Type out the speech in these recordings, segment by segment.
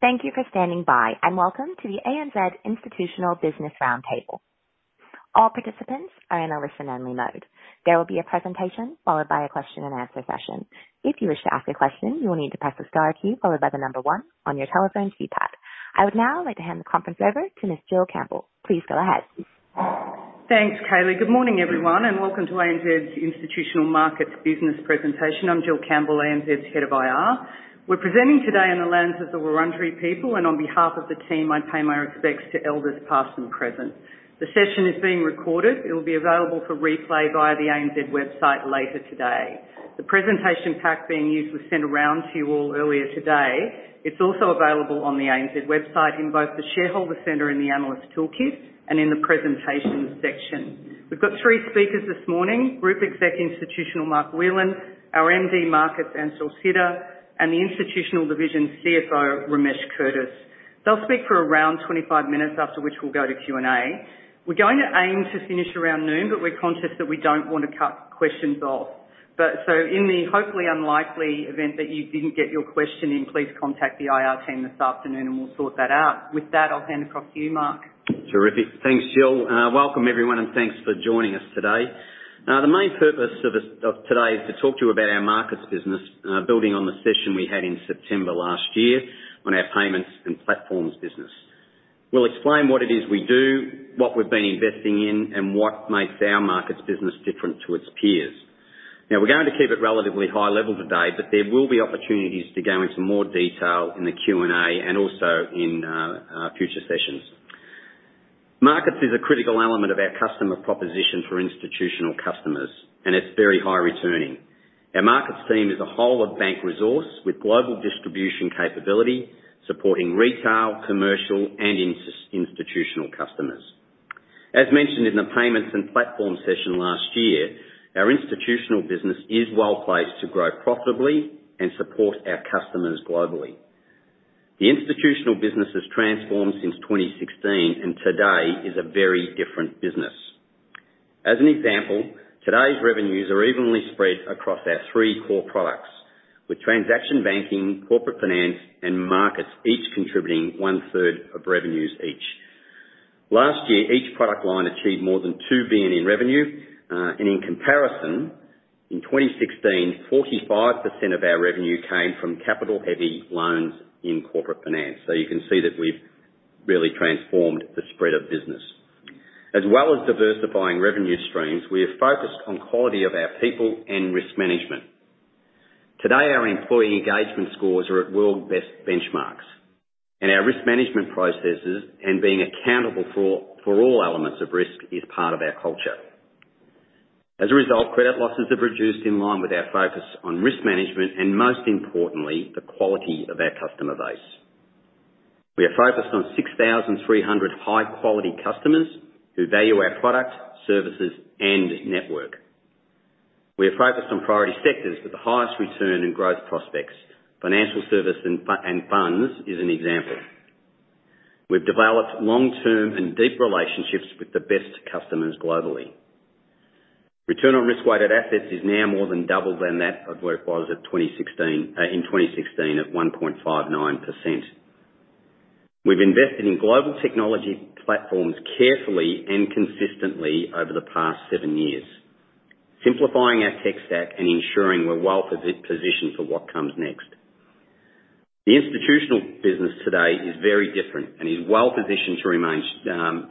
Thank you for standing by and welcome to the ANZ Institutional Business Roundtable. All participants are in a listen-only mode. There will be a presentation followed by a question-and-answer session. If you wish to ask a question, you will need to press the star key followed by the number one on your telephone keypad. I would now like to hand the conference over to Ms. Jill Campbell. Please go ahead. Thanks, Kayleigh. Good morning, everyone, and welcome to ANZ's Institutional Markets Business presentation. I'm Jill Campbell, ANZ's Head of IR. We're presenting today in the lands of the Wurundjeri people, and on behalf of the team, I pay my respects to elders past and present. The session is being recorded. It will be available for replay via the ANZ website later today. The presentation pack being used was sent around to you all earlier today. It's also available on the ANZ website in both the Shareholder Center and the Analyst Toolkit, and in the presentations section. We've got three speakers this morning: Group Executive, Institutional Mark Whelan, our MD Markets Anshul Sidher, and the Institutional Division CFO Ramesh Subramaniam. They'll speak for around 25 minutes, after which we'll go to Q&A. We're going to aim to finish around noon, but we're conscious that we don't want to cut questions off. So in the hopefully unlikely event that you didn't get your question in, please contact the IR team this afternoon, and we'll sort that out. With that, I'll hand it across to you, Mark. Terrific. Thanks, Jill. Welcome, everyone, and thanks for joining us today. The main purpose of today is to talk to you about our markets business, building on the session we had in September last year on our payments and platforms business. We'll explain what it is we do, what we've been investing in, and what makes our markets business different to its peers. Now, we're going to keep it relatively high-level today, but there will be opportunities to go into more detail in the Q&A and also in future sessions. Markets is a critical element of our customer proposition for institutional customers, and it's very high-returning. Our markets team is a whole-of-bank resource with global distribution capability supporting retail, commercial, and institutional customers. As mentioned in the payments and platforms session last year, our institutional business is well-placed to grow profitably and support our customers globally. The institutional business has transformed since 2016, and today is a very different business. As an example, today's revenues are evenly spread across our three core products, with transaction banking, corporate finance, and markets each contributing one-third of revenues each. Last year, each product line achieved more than 2 billion in revenue. In comparison, in 2016, 45% of our revenue came from capital-heavy loans in corporate finance. So you can see that we've really transformed the spread of business. As well as diversifying revenue streams, we have focused on quality of our people and risk management. Today, our employee engagement scores are at world-best benchmarks, and our risk management processes and being accountable for all elements of risk is part of our culture. As a result, credit losses have reduced in line with our focus on risk management and, most importantly, the quality of our customer base. We are focused on 6,300 high-quality customers who value our product, services, and network. We are focused on priority sectors with the highest return and growth prospects. Financial service and funds is an example. We've developed long-term and deep relationships with the best customers globally. Return on risk-weighted assets is now more than double than that of where it was in 2016 at 1.59%. We've invested in global technology platforms carefully and consistently over the past seven years, simplifying our tech stack and ensuring we're well-positioned for what comes next. The institutional business today is very different and is well-positioned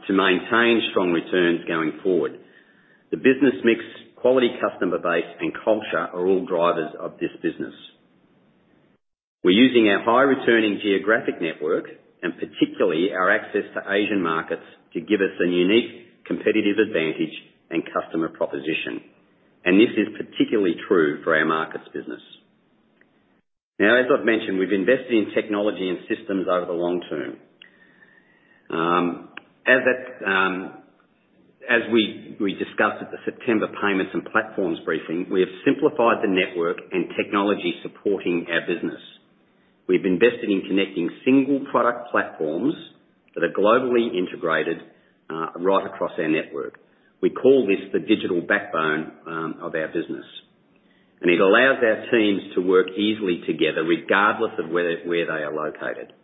to maintain strong returns going forward. The business mix, quality customer base, and culture are all drivers of this business. We're using our high-returning geographic network and particularly our access to Asian markets to give us a unique competitive advantage and customer proposition, and this is particularly true for our markets business. Now, as I've mentioned, we've invested in technology and systems over the long term. As we discussed at the September payments and platforms briefing, we have simplified the network and technology supporting our business. We've invested in connecting single product platforms that are globally integrated right across our network. We call this the Digital Backbone of our business, and it allows our teams to work easily together regardless of where they are located.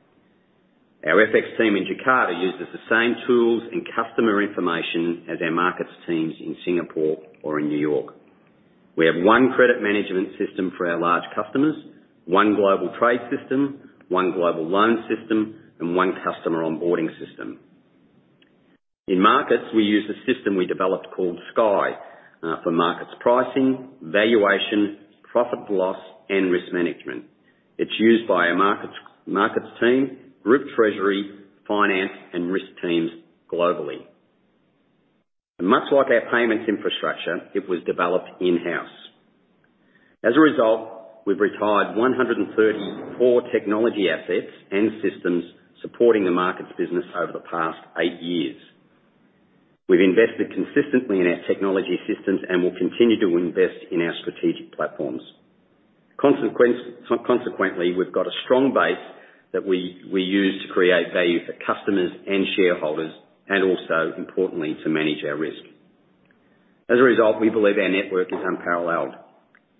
Our FX team in Jakarta uses the same tools and customer information as our markets teams in Singapore or in New York. We have one credit management system for our large customers, one global trade system, one global loan system, and one customer onboarding system. In markets, we use a system we developed called SKY for markets pricing, valuation, profit loss, and risk management. It's used by our markets team, group treasury, finance, and risk teams globally. Much like our payments infrastructure, it was developed in-house. As a result, we've retired 134 technology assets and systems supporting the markets business over the past eight years. We've invested consistently in our technology systems and will continue to invest in our strategic platforms. Consequently, we've got a strong base that we use to create value for customers and shareholders and also, importantly, to manage our risk. As a result, we believe our network is unparalleled.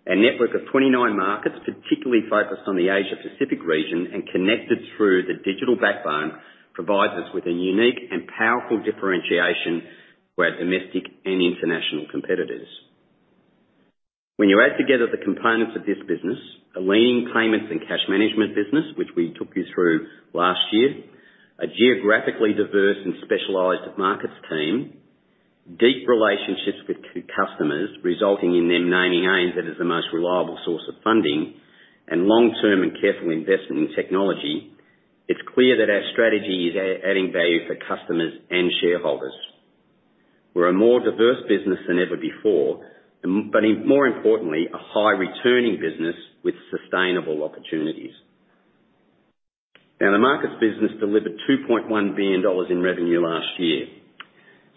A network of 29 markets, particularly focused on the Asia-Pacific region and connected through the Digital Backbone, provides us with a unique and powerful differentiation where domestic and international competitors. When you add together the components of this business, a leading payments and cash management business, which we took you through last year, a geographically diverse and specialized markets team, deep relationships with customers resulting in them naming ANZ as the most reliable source of funding, and long-term and careful investment in technology, it's clear that our strategy is adding value for customers and shareholders. We're a more diverse business than ever before, but more importantly, a high-returning business with sustainable opportunities. Now, the markets business delivered 2.1 billion dollars in revenue last year.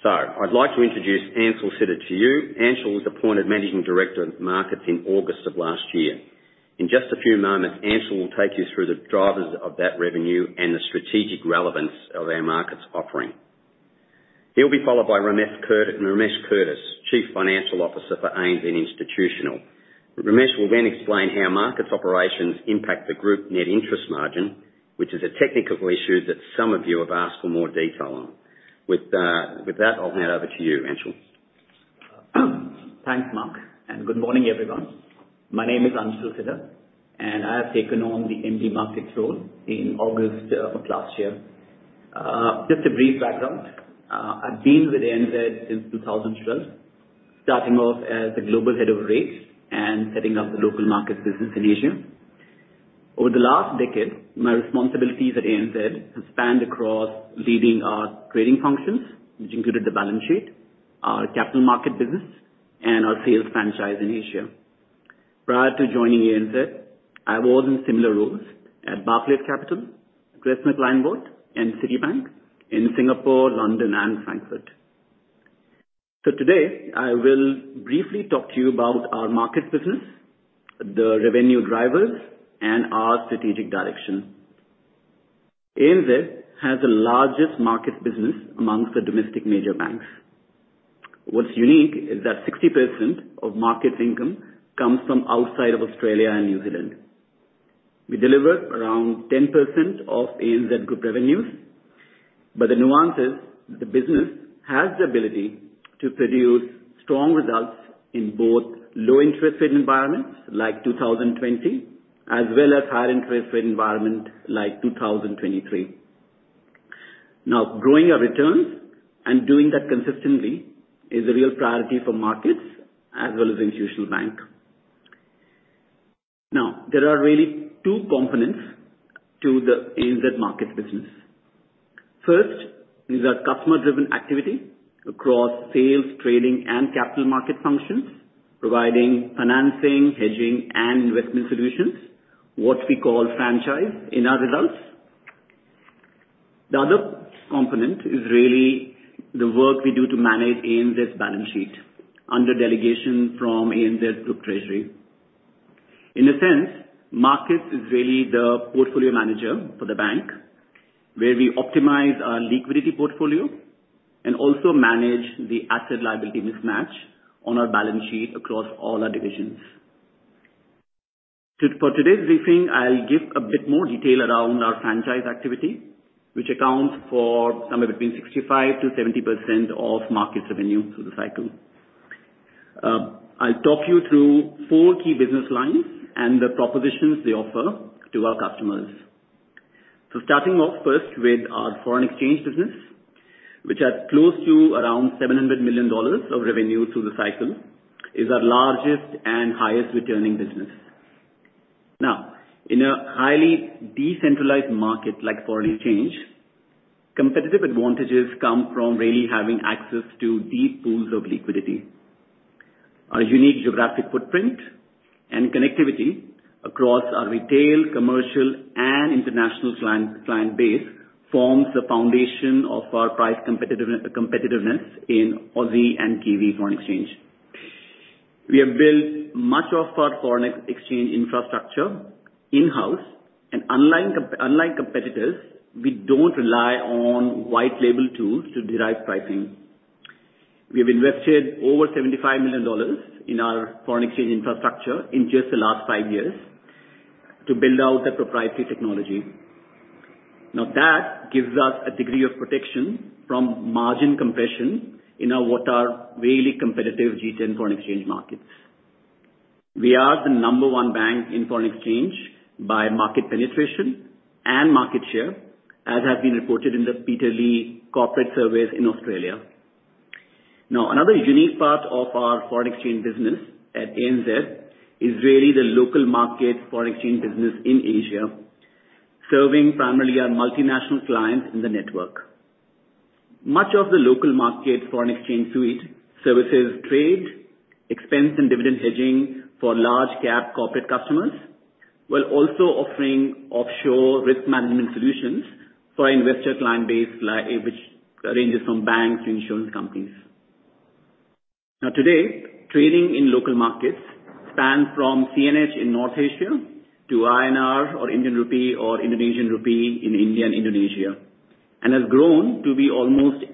So I'd like to introduce Anshul Sidher to you. Anshul was appointed Managing Director of Markets in August of last year. In just a few moments, Anshul will take you through the drivers of that revenue and the strategic relevance of our markets offering. He'll be followed by Ramesh Subramaniam, Chief Financial Officer for ANZ and Institutional. Ramesh will then explain how markets operations impact the group Net Interest Margin, which is a technical issue that some of you have asked for more detail on. With that, I'll hand over to you, Anshul. Thanks, Mark, and good morning, everyone. My name is Anshul Sidher, and I have taken on the MD markets role in August of last year. Just a brief background. I've been with ANZ since 2012, starting off as the global head of rates and setting up the local markets business in Asia. Over the last decade, my responsibilities at ANZ have spanned across leading our trading functions, which included the balance sheet, our capital market business, and our sales franchise in Asia. Prior to joining ANZ, I was in similar roles at Barclays Capital, Dresdner Kleinwort, and Citibank in Singapore, London, and Frankfurt. Today, I will briefly talk to you about our markets business, the revenue drivers, and our strategic direction. ANZ has the largest markets business amongst the domestic major banks. What's unique is that 60% of markets income comes from outside of Australia and New Zealand. We deliver around 10% of ANZ Group revenues, but the nuance is the business has the ability to produce strong results in both low-interest rate environments like 2020 as well as higher-interest rate environments like 2023. Now, growing our returns and doing that consistently is a real priority for markets as well as the institutional bank. Now, there are really two components to the ANZ Markets business. First is our customer-driven activity across sales, trading, and capital market functions, providing financing, hedging, and investment solutions, what we call franchise in our results. The other component is really the work we do to manage ANZ's balance sheet under delegation from ANZ Group Treasury. In a sense, markets is really the portfolio manager for the bank where we optimize our liquidity portfolio and also manage the asset liability mismatch on our balance sheet across all our divisions. For today's briefing, I'll give a bit more detail around our franchise activity, which accounts for somewhere between 65%-70% of markets revenue through the cycle. I'll talk you through four key business lines and the propositions they offer to our customers. So starting off first with our foreign exchange business, which has close to around 700 million dollars of revenue through the cycle, is our largest and highest-returning business. Now, in a highly decentralized market like foreign exchange, competitive advantages come from really having access to deep pools of liquidity. Our unique geographic footprint and connectivity across our retail, commercial, and international client base forms the foundation of our price competitiveness in Aussie and Kiwi foreign exchange. We have built much of our foreign exchange infrastructure in-house, and unlike competitors, we don't rely on white-label tools to derive pricing. We have invested over 75 million dollars in our foreign exchange infrastructure in just the last five years to build out the proprietary technology. Now, that gives us a degree of protection from margin compression in what are really competitive G10 foreign exchange markets. We are the number one bank in foreign exchange by market penetration and market share, as has been reported in the Peter Lee Associates Corporate Survey in Australia. Now, another unique part of our foreign exchange business at ANZ is really the local markets foreign exchange business in Asia, serving primarily our multinational clients in the network. Much of the local markets foreign exchange suite services trade, expense, and dividend hedging for large-cap corporate customers while also offering offshore risk management solutions for our investor client base, which ranges from banks to insurance companies. Now, today, trading in local markets spans from CNH in North Asia to INR or Indian Rupee or Indonesian Rupiah in India and Indonesia and has grown to be almost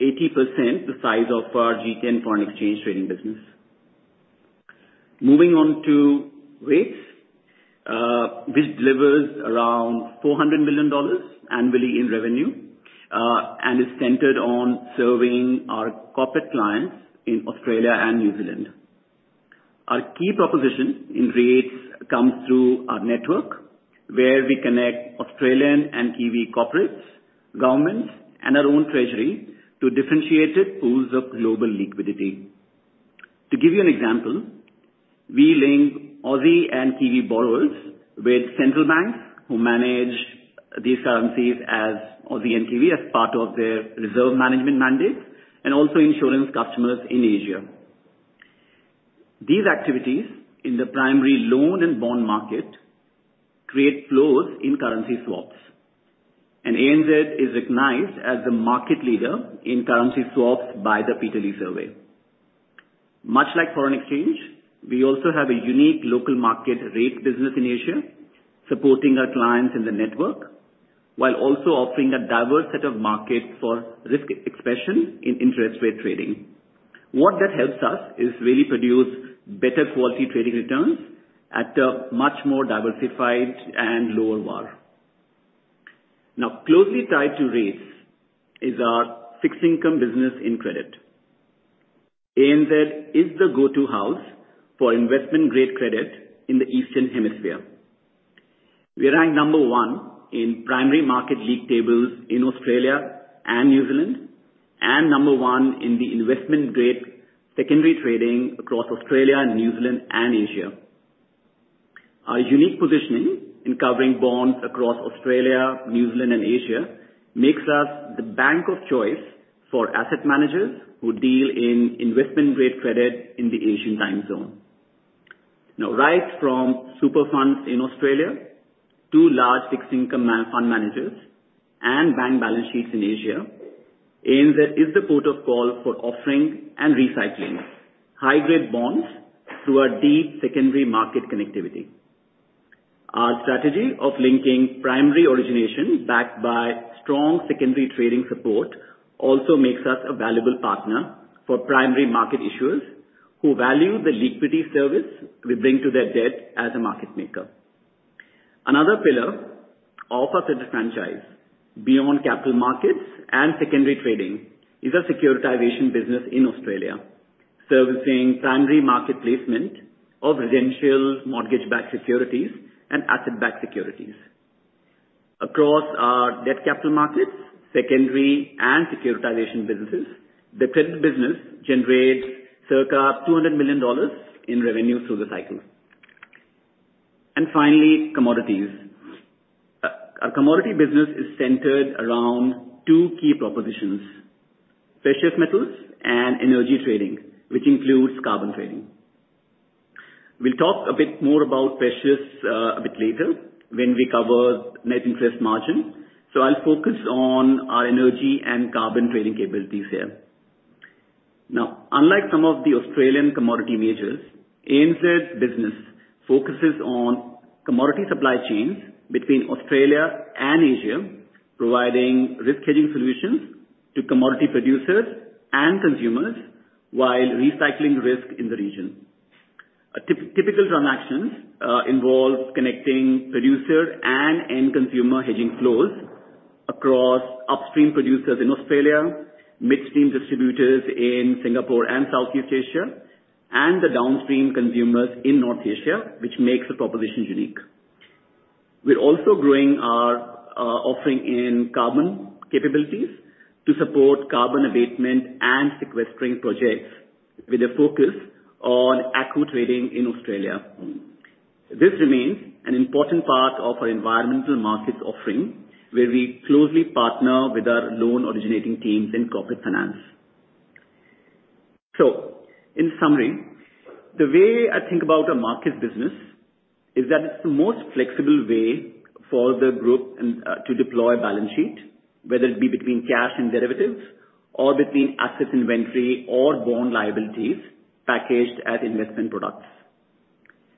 80% the size of our G10 foreign exchange trading business. Moving on to rates, which delivers around 400 million dollars annually in revenue and is centered on serving our corporate clients in Australia and New Zealand. Our key proposition in rates comes through our network where we connect Australian and Kiwi corporates, governments, and our own treasury to differentiated pools of global liquidity. To give you an example, we link Aussie and Kiwi borrowers with central banks who manage these currencies as Aussie and Kiwi as part of their reserve management mandates and also insurance customers in Asia. These activities in the primary loan and bond market create flows in currency swaps, and ANZ is recognized as the market leader in currency swaps by the Peter Lee Survey. Much like foreign exchange, we also have a unique local market rate business in Asia supporting our clients in the network while also offering a diverse set of markets for risk expression in interest rate trading. What that helps us is really produce better-quality trading returns at a much more diversified and lower VAR. Now, closely tied to rates is our fixed income business in credit. ANZ is the go-to house for investment-grade credit in the Eastern Hemisphere. We rank number one in primary market league tables in Australia and New Zealand and number one in the investment-grade secondary trading across Australia and New Zealand and Asia. Our unique positioning in covering bonds across Australia, New Zealand, and Asia makes us the bank of choice for asset managers who deal in investment-grade credit in the Asian time zone. Now, right from super funds in Australia to large fixed income fund managers and bank balance sheets in Asia, ANZ is the port of call for offering and recycling high-grade bonds through our deep secondary market connectivity. Our strategy of linking primary origination backed by strong secondary trading support also makes us a valuable partner for primary market issuers who value the liquidity service we bring to their debt as a market maker. Another pillar of our credit franchise beyond capital markets and secondary trading is our securitization business in Australia, servicing primary market placement of residential mortgage-backed securities and asset-backed securities. Across our debt capital markets, secondary, and securitization businesses, the credit business generates circa 200 million dollars in revenue through the cycle. Finally, commodities. Our commodity business is centered around two key propositions: precious metals and energy trading, which includes carbon trading. We'll talk a bit more about precious a bit later when we cover net interest margin, so I'll focus on our energy and carbon trading capabilities here. Now, unlike some of the Australian commodity majors, ANZ's business focuses on commodity supply chains between Australia and Asia, providing risk hedging solutions to commodity producers and consumers while recycling risk in the region. Typical transactions involve connecting producer and end-consumer hedging flows across upstream producers in Australia, midstream distributors in Singapore and Southeast Asia, and the downstream consumers in North Asia, which makes the propositions unique. We're also growing our offering in carbon capabilities to support carbon abatement and sequestering projects with a focus on carbon trading in Australia. This remains an important part of our environmental markets offering where we closely partner with our loan originating teams in corporate finance. So in summary, the way I think about a markets business is that it's the most flexible way for the group to deploy a balance sheet, whether it be between cash and derivatives or between asset inventory or bond liabilities packaged as investment products.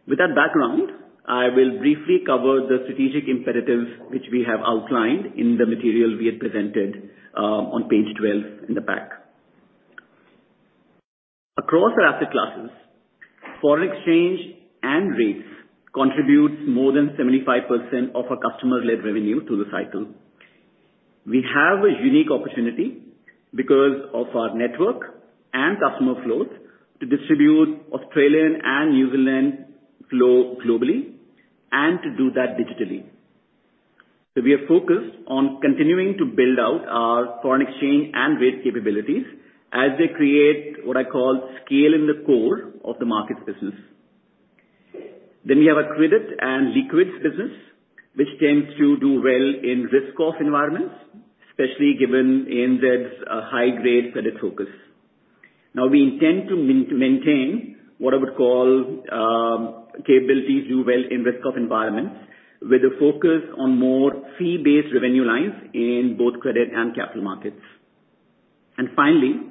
With that background, I will briefly cover the strategic imperatives which we have outlined in the material we had presented on page 12 in the pack. Across our asset classes, foreign exchange and rates contribute more than 75% of our customer-led revenue through the cycle. We have a unique opportunity because of our network and customer flows to distribute Australian and New Zealand flow globally and to do that digitally. So we are focused on continuing to build out our foreign exchange and rate capabilities as they create what I call scale in the core of the markets business. Then we have a credit and liquids business, which tends to do well in risk-off environments, especially given ANZ's high-grade credit focus. Now, we intend to maintain what I would call capabilities do well in risk-off environments with a focus on more fee-based revenue lines in both credit and capital markets. And finally,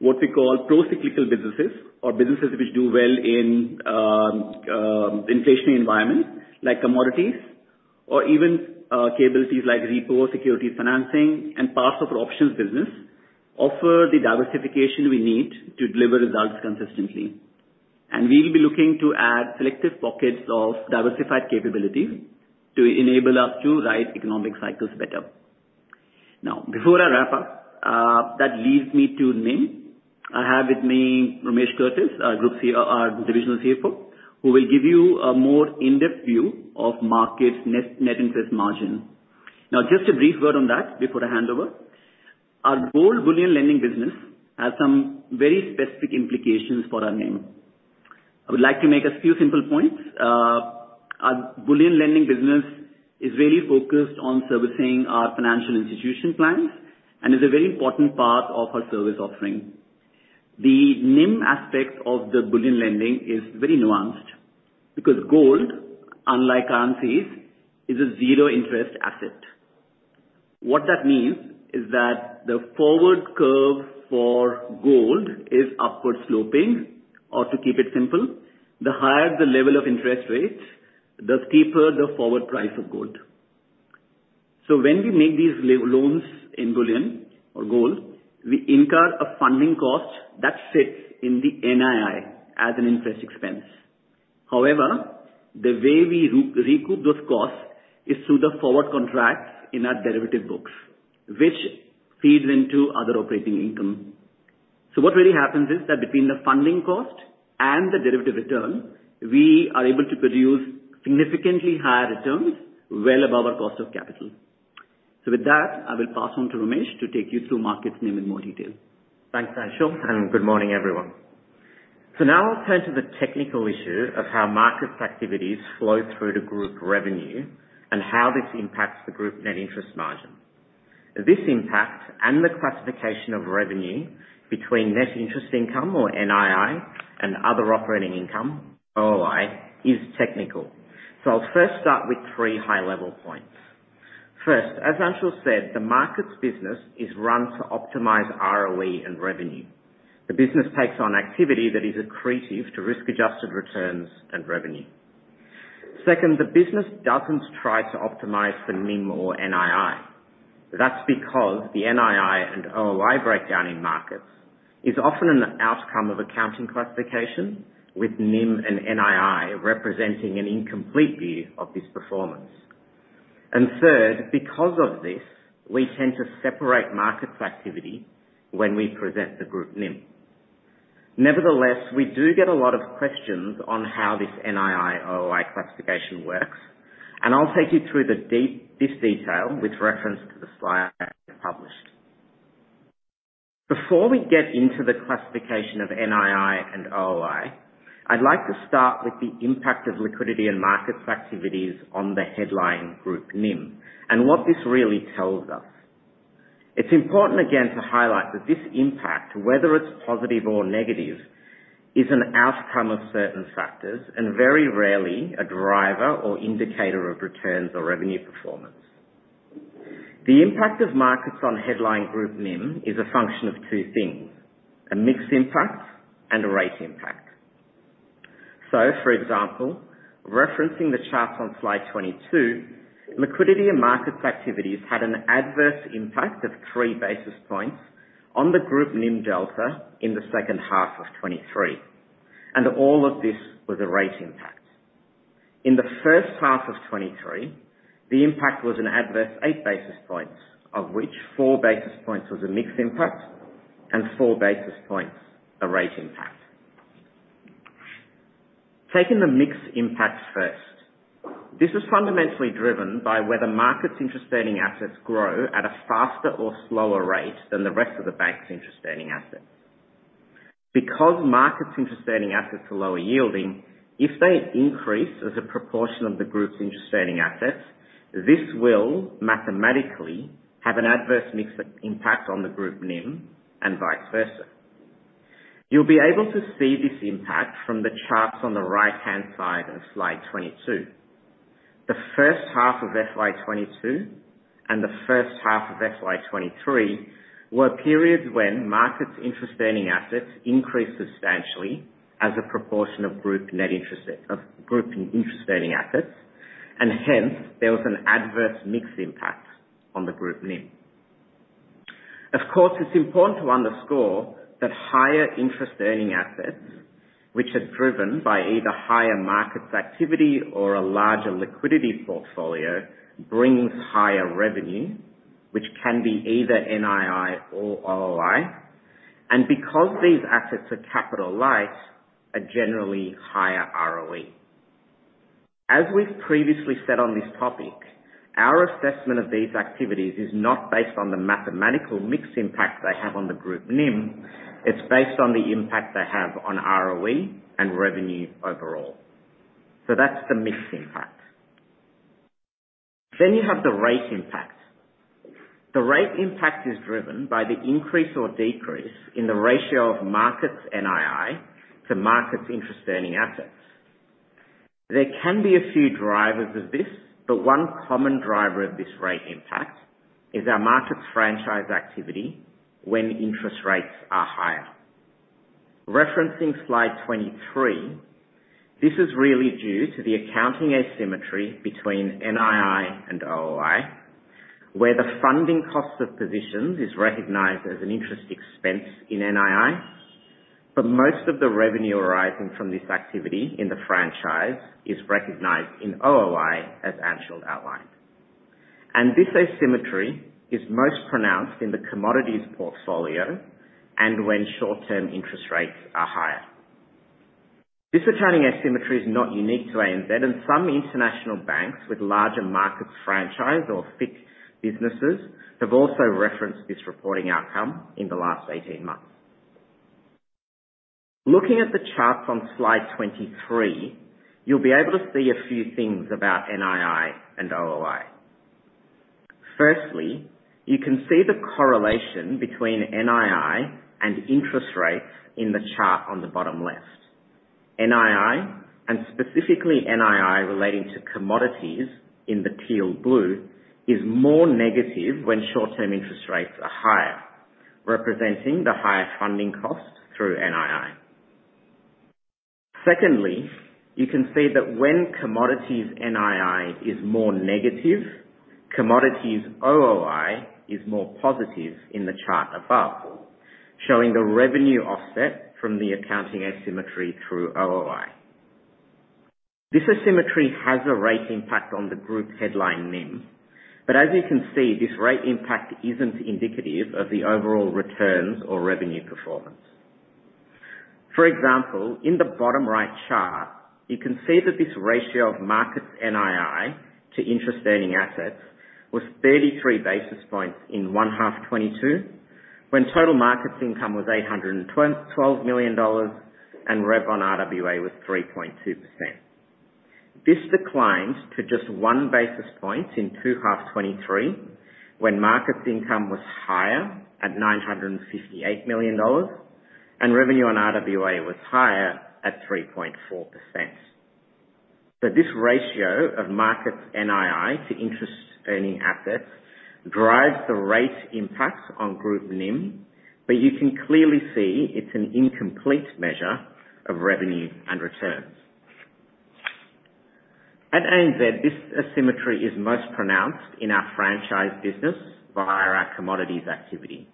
what we call procyclical businesses or businesses which do well in inflationary environments like commodities or even capabilities like repo securities financing and parts of our options business offer the diversification we need to deliver results consistently. We'll be looking to add selective pockets of diversified capabilities to enable us to ride economic cycles better. Now, before I wrap up, that leads me to NIM. I have with me Ramesh Subramaniam, our Division CFO, who will give you a more in-depth view of Markets Net Interest Margin. Now, just a brief word on that before I hand over. Our gold bullion lending business has some very specific implications for our NIM. I would like to make a few simple points. Our bullion lending business is really focused on servicing our financial institution clients and is a very important part of our service offering. The NIM aspect of the bullion lending is very nuanced because gold, unlike currencies, is a zero-interest asset. What that means is that the forward curve for gold is upward sloping. Or to keep it simple, the higher the level of interest rate, the steeper the forward price of gold. So when we make these loans in bullion or gold, we incur a funding cost that sits in the NII as an interest expense. However, the way we recoup those costs is through the forward contracts in our derivative books, which feeds into other operating income. So what really happens is that between the funding cost and the derivative return, we are able to produce significantly higher returns well above our cost of capital. So with that, I will pass on to Ramesh to take you through Markets in more detail. Thanks, Anshul, and good morning, everyone. So now I'll turn to the technical issue of how markets' activities flow through to group revenue and how this impacts the group net interest margin. This impact and the classification of revenue between net interest income or NII and other operating income, OOI, is technical. So I'll first start with three high-level points. First, as Anshul said, the markets' business is run to optimize ROE and revenue. The business takes on activity that is accretive to risk-adjusted returns and revenue. Second, the business doesn't try to optimize for NIM or NII. That's because the NII and OOI breakdown in markets is often an outcome of accounting classification, with NIM and NII representing an incomplete view of this performance. And third, because of this, we tend to separate markets' activity when we present the group NIM. Nevertheless, we do get a lot of questions on how this NII/OOI classification works, and I'll take you through this detail with reference to the slide published. Before we get into the classification of NII and OOI, I'd like to start with the impact of liquidity and Markets' activities on the headline Group NIM and what this really tells us. It's important, again, to highlight that this impact, whether it's positive or negative, is an outcome of certain factors and very rarely a driver or indicator of returns or revenue performance. The impact of Markets on headline Group NIM is a function of two things: a mixed impact and a rate impact. So for example, referencing the charts on slide 22, liquidity and markets' activities had an adverse impact of 3 basis points on the group NIM delta in the second half of 2023, and all of this was a rate impact. In the first half of 2023, the impact was an adverse 8 basis points, of which 4 basis points was a mixed impact and 4 basis points a rate impact. Taking the mixed impact first, this is fundamentally driven by whether markets' interest-bearing assets grow at a faster or slower rate than the rest of the bank's interest-bearing assets. Because markets' interest-bearing assets are lower yielding, if they increase as a proportion of the group's interest-bearing assets, this will mathematically have an adverse mixed impact on the group NIM and vice versa. You'll be able to see this impact from the charts on the right-hand side of slide 22. The first half of FY 2022 and the first half of FY 2023 were periods when markets' interest-bearing assets increased substantially as a proportion of group interest-bearing assets, and hence, there was an adverse mix impact on the group NIM. Of course, it's important to underscore that higher interest-bearing assets, which are driven by either higher markets' activity or a larger liquidity portfolio, bring higher revenue, which can be either NII or OOI. And because these assets are capital-light, are generally higher ROE. As we've previously said on this topic, our assessment of these activities is not based on the mathematical mix impact they have on the group NIM. It's based on the impact they have on ROE and revenue overall. So that's the mix impact. Then you have the rate impact. The rate impact is driven by the increase or decrease in the ratio of markets' NII to markets' interest-bearing assets. There can be a few drivers of this, but one common driver of this rate impact is our markets' franchise activity when interest rates are higher. Referencing slide 23, this is really due to the accounting asymmetry between NII and OOI, where the funding cost of positions is recognized as an interest expense in NII, but most of the revenue arising from this activity in the franchise is recognized in OOI, as Anshul outlined. This asymmetry is most pronounced in the commodities portfolio and when short-term interest rates are higher. This recurring asymmetry is not unique to ANZ, and some international banks with larger markets franchise or FICC businesses have also referenced this reporting outcome in the last 18 months. Looking at the charts on slide 23, you'll be able to see a few things about NII and OOI. Firstly, you can see the correlation between NII and interest rates in the chart on the bottom left. NII, and specifically NII relating to commodities in the teal blue, is more negative when short-term interest rates are higher, representing the higher funding cost through NII. Secondly, you can see that when commodities' NII is more negative, commodities' OOI is more positive in the chart above, showing the revenue offset from the accounting asymmetry through OOI. This asymmetry has a rate impact on the group headline NIM, but as you can see, this rate impact isn't indicative of the overall returns or revenue performance. For example, in the bottom right chart, you can see that this ratio of markets' NII to interest-bearing assets was 33 basis points in 1H 2022, when total markets' income was 812 million dollars and revenue on RWA was 3.2%. This declined to just one basis point in 2H 2023, when markets' income was higher at 958 million dollars and revenue on RWA was higher at 3.4%. So this ratio of markets' NII to interest-bearing assets drives the rate impact on group NIM, but you can clearly see it's an incomplete measure of revenue and returns. At ANZ, this asymmetry is most pronounced in our franchise business via our commodities activity.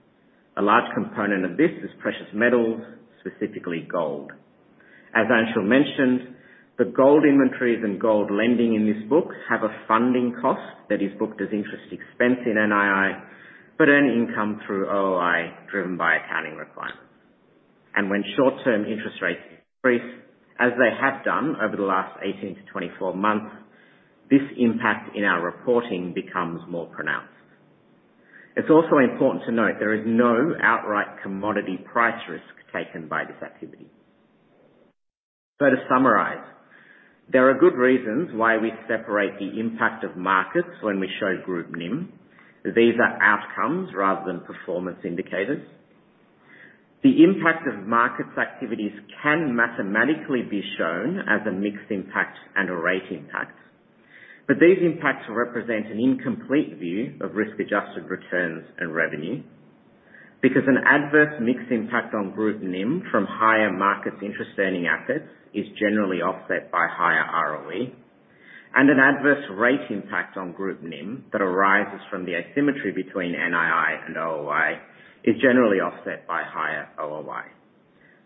A large component of this is precious metals, specifically gold. As Anshul mentioned, the gold inventories and gold lending in this book have a funding cost that is booked as interest expense in NII but earn income through OOI driven by accounting requirements. And when short-term interest rates increase, as they have done over the last 18 months-24 months, this impact in our reporting becomes more pronounced. It's also important to note there is no outright commodity price risk taken by this activity. So to summarize, there are good reasons why we separate the impact of markets when we show group NIM. These are outcomes rather than performance indicators. The impact of markets' activities can mathematically be shown as a mixed impact and a rate impact, but these impacts represent an incomplete view of risk-adjusted returns and revenue because an adverse mixed impact on group NIM from higher markets' interest-bearing assets is generally offset by higher ROE, and an adverse rate impact on group NIM that arises from the asymmetry between NII and OOI is generally offset by higher OOI.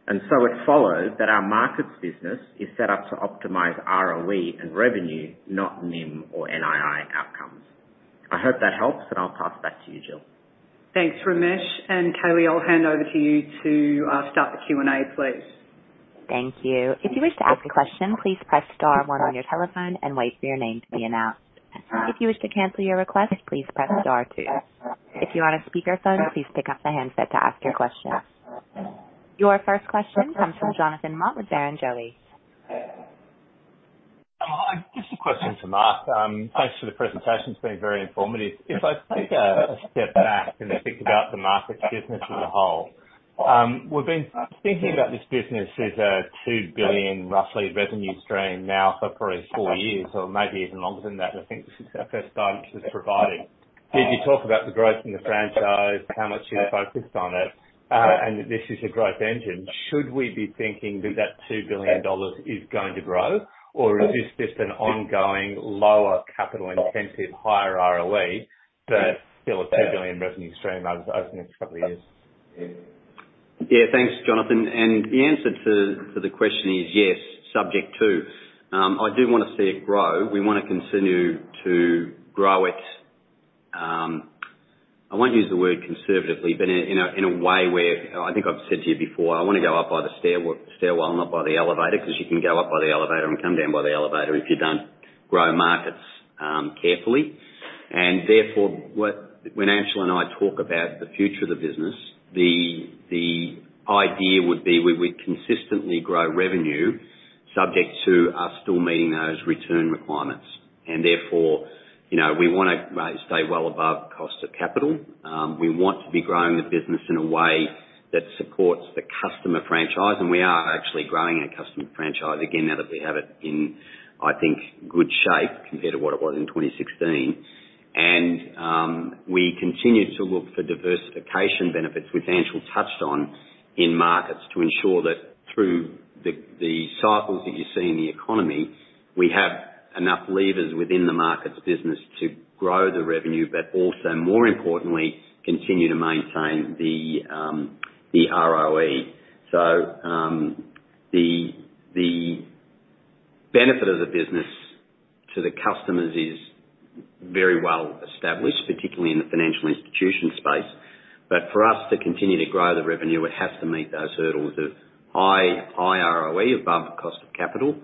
And so it follows that our markets' business is set up to optimize ROE and revenue, not NIM or NII outcomes. I hope that helps, and I'll pass back to you, Jill. Thanks, Ramesh. And Kelly, I'll hand over to you to start the Q&A, please. Thank you. If you wish to ask a question, please press star one on your telephone and wait for your name to be announced. If you wish to cancel your request, please press star two. If you're on a speakerphone, please pick up the handset to ask your question. Your first question comes from Jonathan Mott with Barrenjoey. Just a question for Mark. Thanks for the presentation. It's been very informative. If I take a step back and think about the markets' business as a whole, we've been thinking about this business as an 2 billion, roughly, revenue stream now for probably four years or maybe even longer than that. I think this is our first guidance that's provided. Did you talk about the growth in the franchise, how much you're focused on it, and that this is a growth engine? Should we be thinking that that 2 billion dollars is going to grow, or is this just an ongoing lower capital-intensive, higher ROE but still an 2 billion revenue stream over the next couple of years? Yeah. Thanks, Jonathan. And the answer to the question is yes, subject to. I do want to see it grow. We want to continue to grow it. I won't use the word conservatively, but in a way where I think I've said to you before, "I want to go up by the stairwell, not by the elevator," because you can go up by the elevator and come down by the elevator if you don't grow markets carefully. And therefore, when Anshul and I talk about the future of the business, the idea would be we would consistently grow revenue subject to us still meeting those return requirements. And therefore, we want to stay well above cost of capital. We want to be growing the business in a way that supports the customer franchise, and we are actually growing our customer franchise again now that we have it in, I think, good shape compared to what it was in 2016. And we continue to look for diversification benefits, which Anshul touched on in markets, to ensure that through the cycles that you see in the economy, we have enough levers within the markets' business to grow the revenue but also, more importantly, continue to maintain the ROE. So the benefit of the business to the customers is very well established, particularly in the financial institution space. But for us to continue to grow the revenue, it has to meet those hurdles of high ROE above cost of capital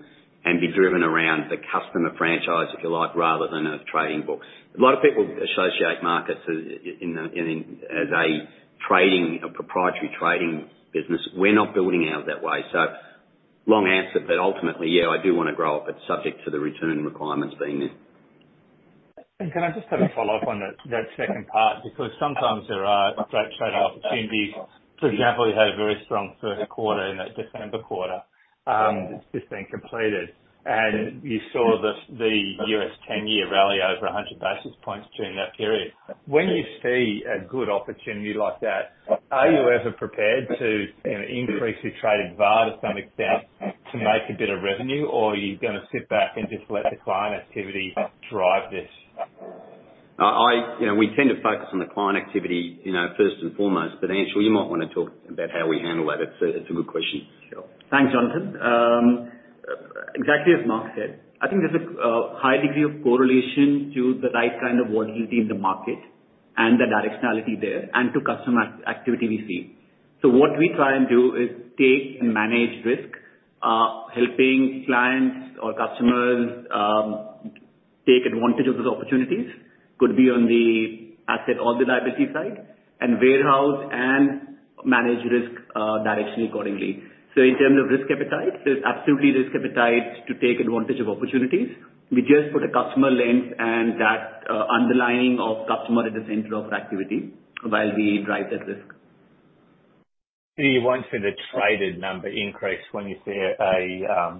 and be driven around the customer franchise, if you like, rather than a trading book. A lot of people associate markets as a proprietary trading business. We're not building out that way. So long answer, but ultimately, yeah, I do want to grow it but subject to the return requirements being there. Can I just have a follow-up on that second part? Because sometimes there are straight-up opportunities. For example, you had a very strong first quarter in that December quarter that's just been completed, and you saw the U.S. 10-year rally over 100 basis points during that period. When you see a good opportunity like that, are you ever prepared to increase your traded VAR to some extent to make a bit of revenue, or are you going to sit back and just let the client activity drive this? We tend to focus on the client activity first and foremost, but Anshul, you might want to talk about how we handle that. It's a good question. Thanks, Jonathan. Exactly as Mark said, I think there's a high degree of correlation to the right kind of volatility in the market and the directionality there and to customer activity we see. So what we try and do is take and manage risk, helping clients or customers take advantage of those opportunities. Could be on the asset or the liability side and warehouse and manage risk directionally accordingly. So in terms of risk appetite, there's absolutely risk appetite to take advantage of opportunities. We just put a customer lens and that underlying of customer at the centre of our activity while we drive that risk. You want to say the traded number increase when you see a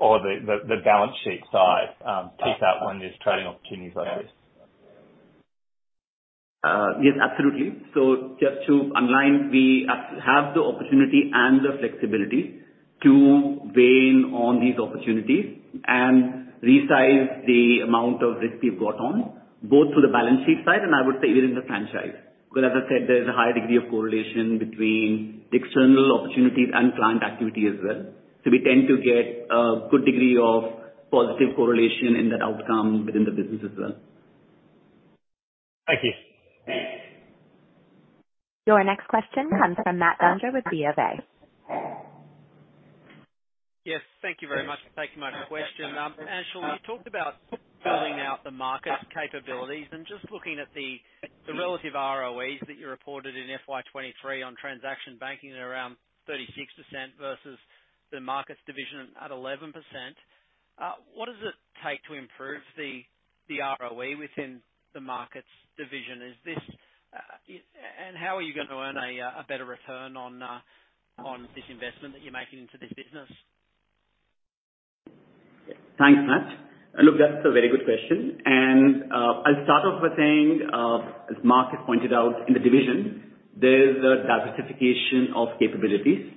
or the balance sheet size. Pick that one as trading opportunities like this. Yes, absolutely. So just to underline, we have the opportunity and the flexibility to weigh in on these opportunities and resize the amount of risk we've got on, both through the balance sheet side and I would say even in the franchise. Because as I said, there's a higher degree of correlation between external opportunities and client activity as well. So we tend to get a good degree of positive correlation in that outcome within the business as well. Thank you. Your next question comes from Matt Dunger with B of A. Yes. Thank you very much. Thank you for my question. Anshul, you talked about building out the markets' capabilities and just looking at the relative ROEs that you reported in FY 2023 on transaction banking at around 36% versus the markets' division at 11%. What does it take to improve the ROE within the markets' division? And how are you going to earn a better return on this investment that you're making into this business? Thanks, Matt. Look, that's a very good question. I'll start off by saying, as Mark has pointed out, in the division, there's a diversification of capabilities.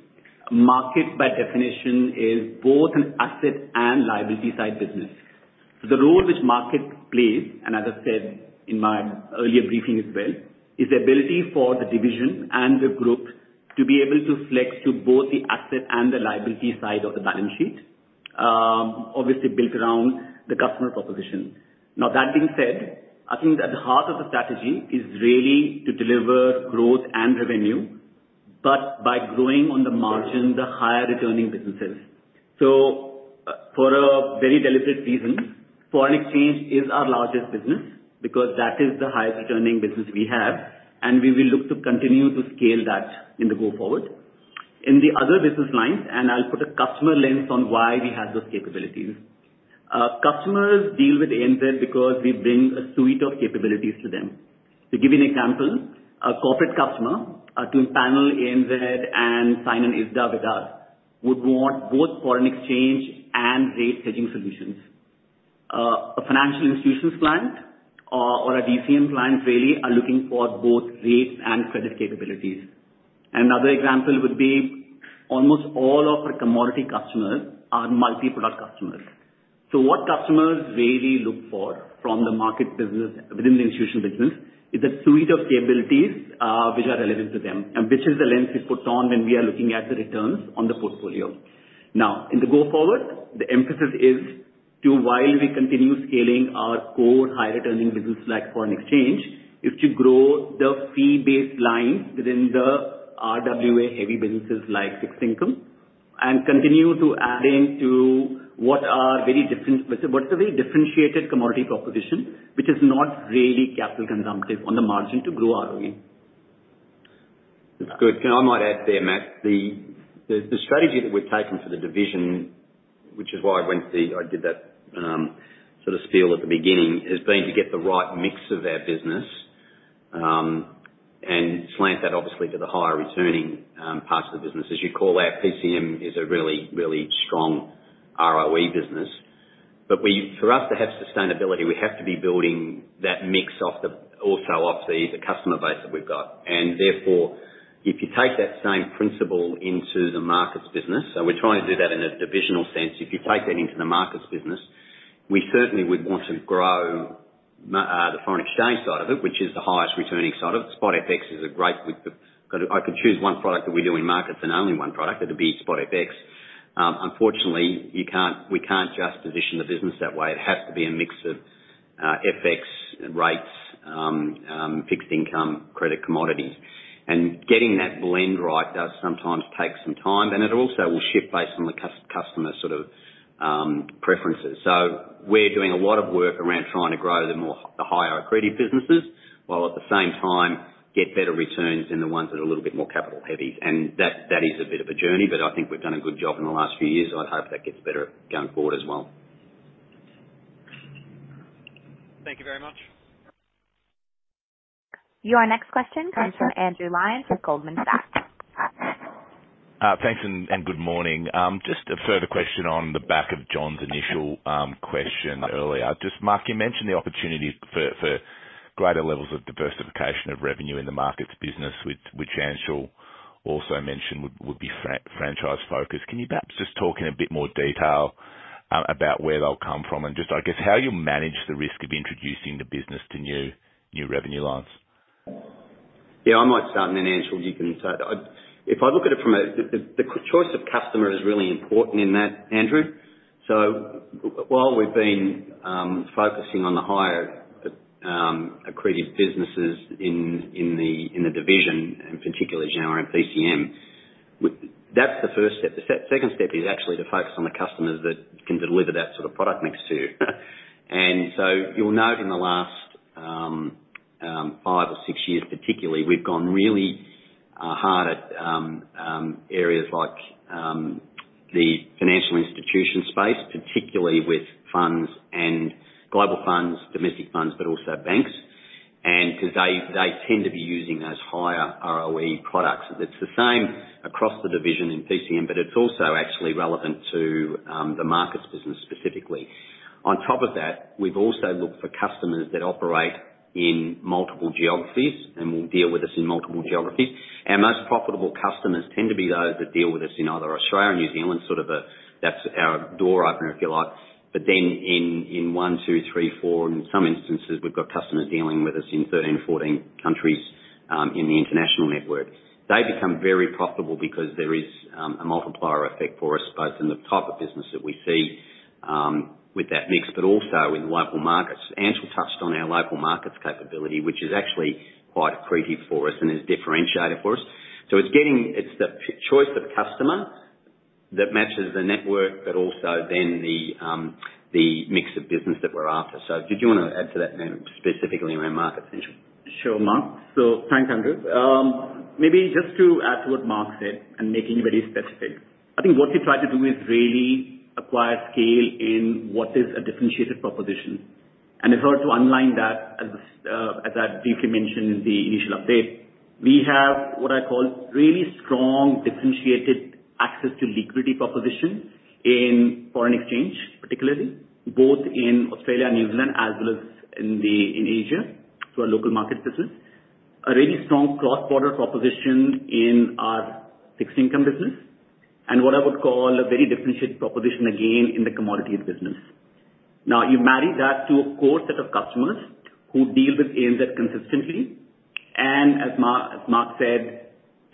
Markets, by definition, is both an asset and liability-side business. The role which markets plays, and as I said in my earlier briefing as well, is the ability for the division and the group to be able to flex to both the asset and the liability side of the balance sheet, obviously built around the customer proposition. Now, that being said, I think that the heart of the strategy is really to deliver growth and revenue but by growing on the margin, the higher-returning businesses. For a very deliberate reason, foreign exchange is our largest business because that is the highest-returning business we have, and we will look to continue to scale that going forward. In the other business lines, and I'll put a customer lens on why we have those capabilities, customers deal with ANZ because we bring a suite of capabilities to them. To give you an example, a corporate customer to partner ANZ and sign an ISDA with us would want both foreign exchange and rate hedging solutions. A financial institutions client or a DCM client really are looking for both rates and credit capabilities. Another example would be almost all of our commodity customers are multi-product customers. So what customers really look for from the market business within the institutional business is a suite of capabilities which are relevant to them and which is the lens we put on when we are looking at the returns on the portfolio. Now, in the going forward, the emphasis is to, while we continue scaling our core high-returning business like foreign exchange, is to grow the fee-based lines within the RWA-heavy businesses like fixed income and continue to add into what's a very differentiated commodity proposition which is not really capital-consumptive on the margin to grow ROE. That's good. Might I add there, Matt? The strategy that we're taking for the division, which is why I did that sort of spiel at the beginning, has been to get the right mix of our business and slant that, obviously, to the higher-returning parts of the business. As you call out, PCM is a really, really strong ROE business. But for us to have sustainability, we have to be building that mix also off the customer base that we've got. And therefore, if you take that same principle into the markets' business, so we're trying to do that in a divisional sense. If you take that into the markets' business, we certainly would want to grow the foreign exchange side of it, which is the highest-returning side of it. Spot FX is a great one. I could choose one product that we do in markets and only one product. It'd be Spot FX. Unfortunately, we can't just position the business that way. It has to be a mix of FX, rates, Fixed Income, credit, Commodities. Getting that blend right does sometimes take some time, and it also will shift based on the customer sort of preferences. So we're doing a lot of work around trying to grow the higher accredited businesses while at the same time get better returns in the ones that are a little bit more capital-heavy. That is a bit of a journey, but I think we've done a good job in the last few years. I'd hope that gets better going forward as well. Thank you very much. Your next question comes from Andrew Lyons with Goldman Sachs. Thanks and good morning. Just a further question on the back of John's initial question earlier. Just Mark, you mentioned the opportunity for greater levels of diversification of revenue in the markets' business, which Anshul also mentioned would be franchise-focused. Can you perhaps just talk in a bit more detail about where they'll come from and just, I guess, how you'll manage the risk of introducing the business to new revenue lines? Yeah. I might start then, Anshul. If I look at it from the choice of customer is really important in that, Andrew. So while we've been focusing on the higher-accredited businesses in the division, in particular, Jill, and PCM, that's the first step. The second step is actually to focus on the customers that can deliver that sort of product next to you. And so you'll note in the last five or six years, particularly, we've gone really hard at areas like the financial institution space, particularly with global funds, domestic funds, but also banks because they tend to be using those higher ROE products. It's the same across the division in PCM, but it's also actually relevant to the markets' business specifically. On top of that, we've also looked for customers that operate in multiple geographies and will deal with us in multiple geographies. Our most profitable customers tend to be those that deal with us in either Australia or New Zealand. Sort of that's our door opener, if you like. But then in one, two, three, four, and in some instances, we've got customers dealing with us in 13, 14 countries in the international network. They become very profitable because there is a multiplier effect for us both in the type of business that we see with that mix but also in the local markets. Anshul touched on our local markets capability, which is actually quite accredited for us and is differentiated for us. So it's the choice of customer that matches the network but also then the mix of business that we're after. So did you want to add to that, specifically around markets, Anshul? Sure, Mark. So thanks, Andrew. Maybe just to add to what Mark said and make it specific, I think what we try to do is really acquire scale in what is a differentiated proposition. And if I were to underline that, as I briefly mentioned in the initial update, we have what I call really strong differentiated access to liquidity proposition in foreign exchange, particularly, both in Australia and New Zealand as well as in Asia through our local markets business, a really strong cross-border proposition in our fixed income business, and what I would call a very differentiated proposition again in the commodities business. Now, you marry that to a core set of customers who deal with ANZ consistently and, as Mark said,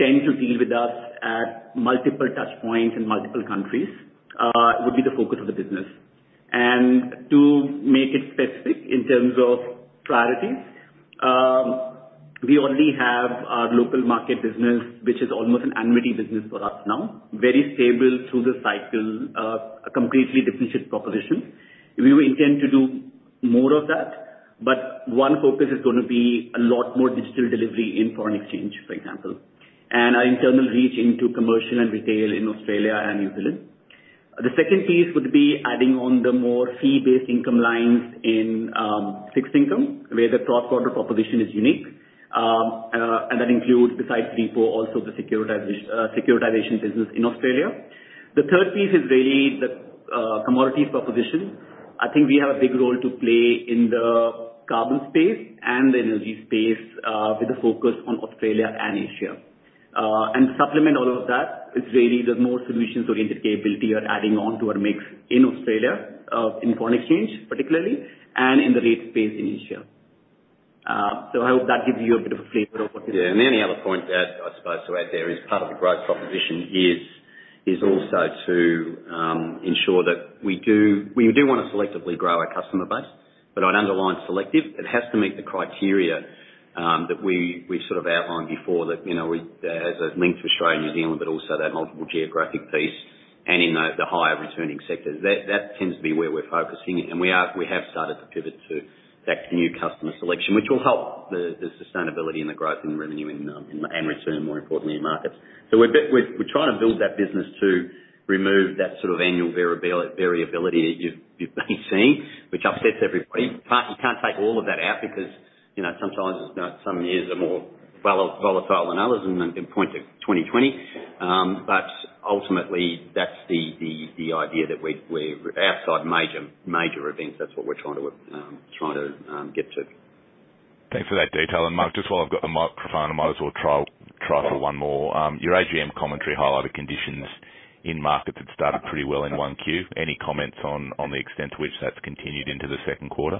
tend to deal with us at multiple touchpoints in multiple countries would be the focus of the business. To make it specific in terms of priorities, we only have our local market business, which is almost an annuity business for us now, very stable through the cycle, a completely differentiated proposition. We intend to do more of that, but one focus is going to be a lot more digital delivery in foreign exchange, for example, and our internal reach into commercial and retail in Australia and New Zealand. The second piece would be adding on the more fee-based income lines in fixed income where the cross-border proposition is unique. That includes, besides repo, also the securitization business in Australia. The third piece is really the commodities proposition. I think we have a big role to play in the carbon space and the energy space with a focus on Australia and Asia. To supplement all of that is really the more solutions-oriented capability we're adding on to our mix in Australia, in foreign exchange particularly, and in the rate space in Asia. I hope that gives you a bit of a flavor of what we're doing. Yeah. And the only other point that I suppose to add there is part of the growth proposition is also to ensure that we do want to selectively grow our customer base. But I'd underline selective. It has to meet the criteria that we've sort of outlined before that has a link to Australia and New Zealand but also that multiple geographic piece and in the higher-returning sectors. That tends to be where we're focusing. And we have started to pivot to that new customer selection, which will help the sustainability and the growth in revenue and return, more importantly, in markets. So we're trying to build that business to remove that sort of annual variability that you've been seeing, which upsets everybody. You can't take all of that out because sometimes some years are more volatile than others in point of 2020. Ultimately, that's the idea that we're outside major events. That's what we're trying to get to. Thanks for that detail. And Mark, just while I've got the microphone, I might as well try for one more. Your AGM commentary highlighted conditions in markets that started pretty well in 1Q. Any comments on the extent to which that's continued into the second quarter?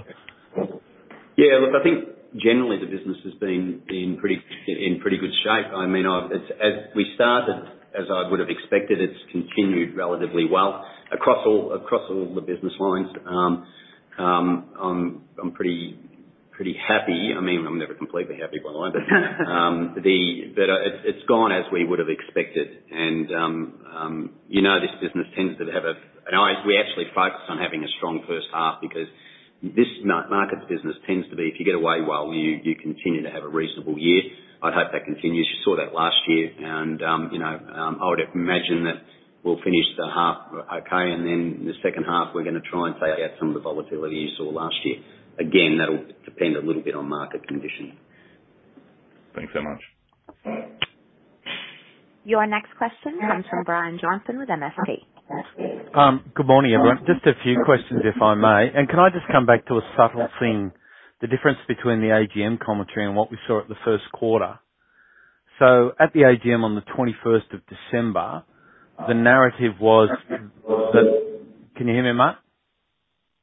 Yeah. Look, I think generally, the business has been in pretty good shape. I mean, as we started, as I would have expected, it's continued relatively well across all the business lines. I'm pretty happy. I mean, I'm never completely happy by the way, but it's gone as we would have expected. And this business tends to have, and we actually focus on having a strong first half because this markets business tends to be if you get away well, you continue to have a reasonable year. I'd hope that continues. You saw that last year. And I would imagine that we'll finish the half okay, and then the second half, we're going to try and take out some of the volatility you saw last year. Again, that'll depend a little bit on market conditions. Thanks so much. Your next question comes from Brian Johnson with MST Financial. Good morning, everyone. Just a few questions, if I may. Can I just come back to a subtle thing, the difference between the AGM commentary and what we saw at the first quarter? So at the AGM on the December 21st, the narrative was that. Can you hear me, Mark?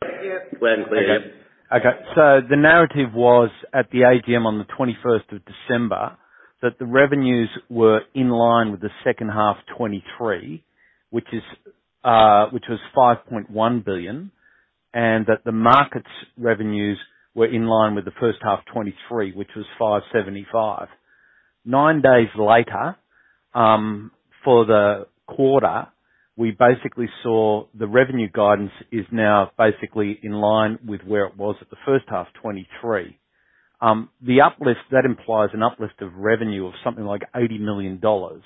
Yep. Loud and clear. Okay. Okay. So the narrative was at the AGM on the December 21st that the revenues were in line with the second half 2023, which was 5.1 billion, and that the markets' revenues were in line with the first half 2023, which was 575 million. Nine days later for the quarter, we basically saw the revenue guidance is now basically in line with where it was at the first half 2023. That implies an uplift of revenue of something like 80 million dollars.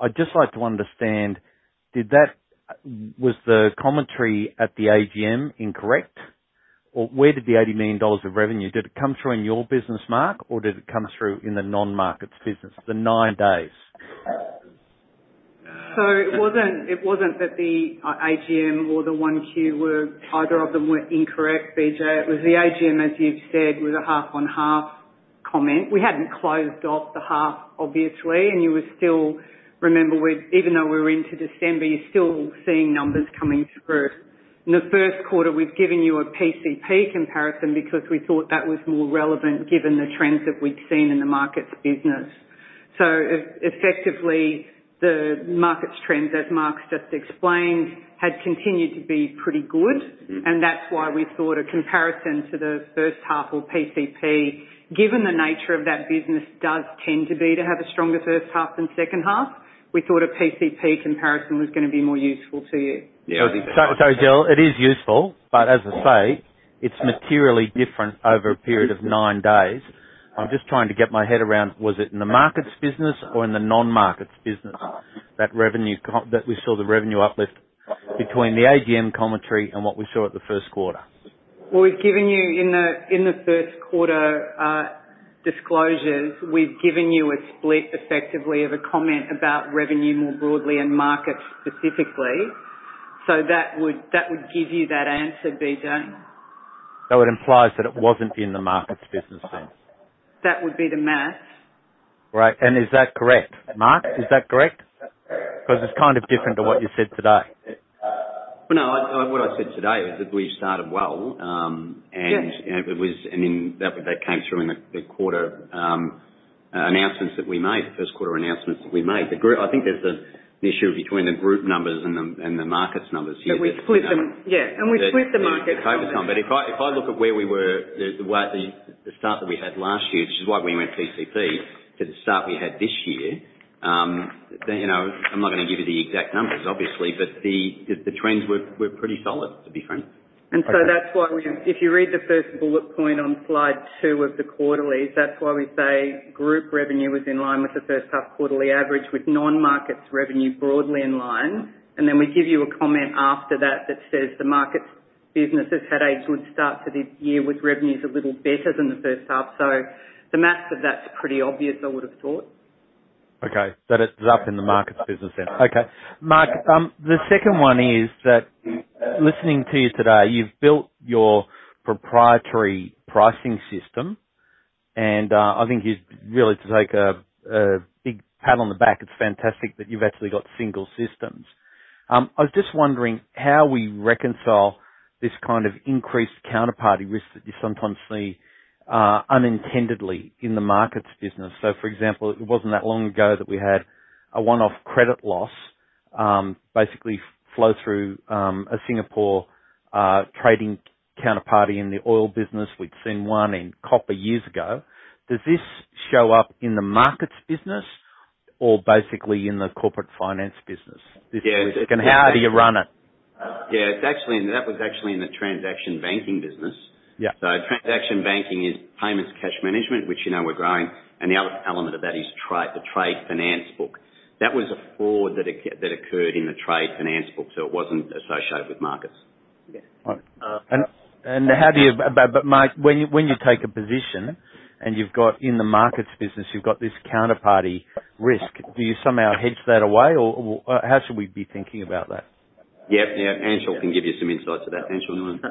I'd just like to understand, was the commentary at the AGM incorrect? Or where did the 80 million dollars of revenue did it come through in your business, Mark, or did it come through in the non-markets business, the nine days? So it wasn't that the AGM or the 1Q were either of them were incorrect, BJ. It was the AGM, as you've said, was a half-on-half comment. We hadn't closed off the half, obviously. You would still remember, even though we're into December, you're still seeing numbers coming through. In the first quarter, we've given you a PCP comparison because we thought that was more relevant given the trends that we'd seen in the markets' business. So effectively, the markets' trends, as Mark's just explained, had continued to be pretty good. And that's why we thought a comparison to the first half or PCP, given the nature of that business does tend to be to have a stronger first half than second half, we thought a PCP comparison was going to be more useful to you. Yeah. Sorry, Jill. It is useful, but as I say, it's materially different over a period of nine days. I'm just trying to get my head around, was it in the markets' business or in the non-markets' business that we saw the revenue uplift between the AGM commentary and what we saw at the first quarter? Well, in the first quarter disclosures, we've given you a split, effectively, of a comment about revenue more broadly and markets specifically. So that would give you that answer, BJ. It implies that it wasn't in the markets' business sense. That would be the math. Right. And is that correct, Mark? Is that correct? Because it's kind of different to what you said today. Well, no. What I said today is that we've started well, and it was, I mean, that came through in the quarter announcements that we made, the first quarter announcements that we made. I think there's an issue between the group numbers and the markets numbers here. But we split them. Yeah. And we split the markets numbers. And it's overtime. But if I look at where we were, the start that we had last year, which is why we went PCP, to the start we had this year, I'm not going to give you the exact numbers, obviously, but the trends were pretty solid, to be frank. That's why if you read the first bullet point on slide two of the quarterlies, that's why we say group revenue was in line with the first half quarterly average with non-markets revenue broadly in line. Then we give you a comment after that that says the markets business has had a good start to the year with revenues a little better than the first half. The math of that's pretty obvious, I would have thought. Okay. So it's up in the markets business then. Okay. Mark, the second one is that listening to you today, you've built your proprietary pricing system. And I think you really have to take a big pat on the back. It's fantastic that you've actually got single systems. I was just wondering how we reconcile this kind of increased counterparty risk that you sometimes see unintentionally in the markets business. So for example, it wasn't that long ago that we had a one-off credit loss, basically from a Singapore trading counterparty in the oil business. We'd seen one in copper years ago. Does this show up in the markets business or basically in the corporate finance business? And how do you run it? Yeah. And that was actually in the Transaction Banking business. So Transaction Banking is payments cash management, which we're growing, and the other element of that is the trade finance book. That was a fraud that occurred in the trade finance book, so it wasn't associated with markets. Yeah. And how do you, but Mark, when you take a position and you've got in the markets business, you've got this counterparty risk, do you somehow hedge that away, or how should we be thinking about that? Yep. Yep. Anshul can give you some insights to that. Anshul, go on.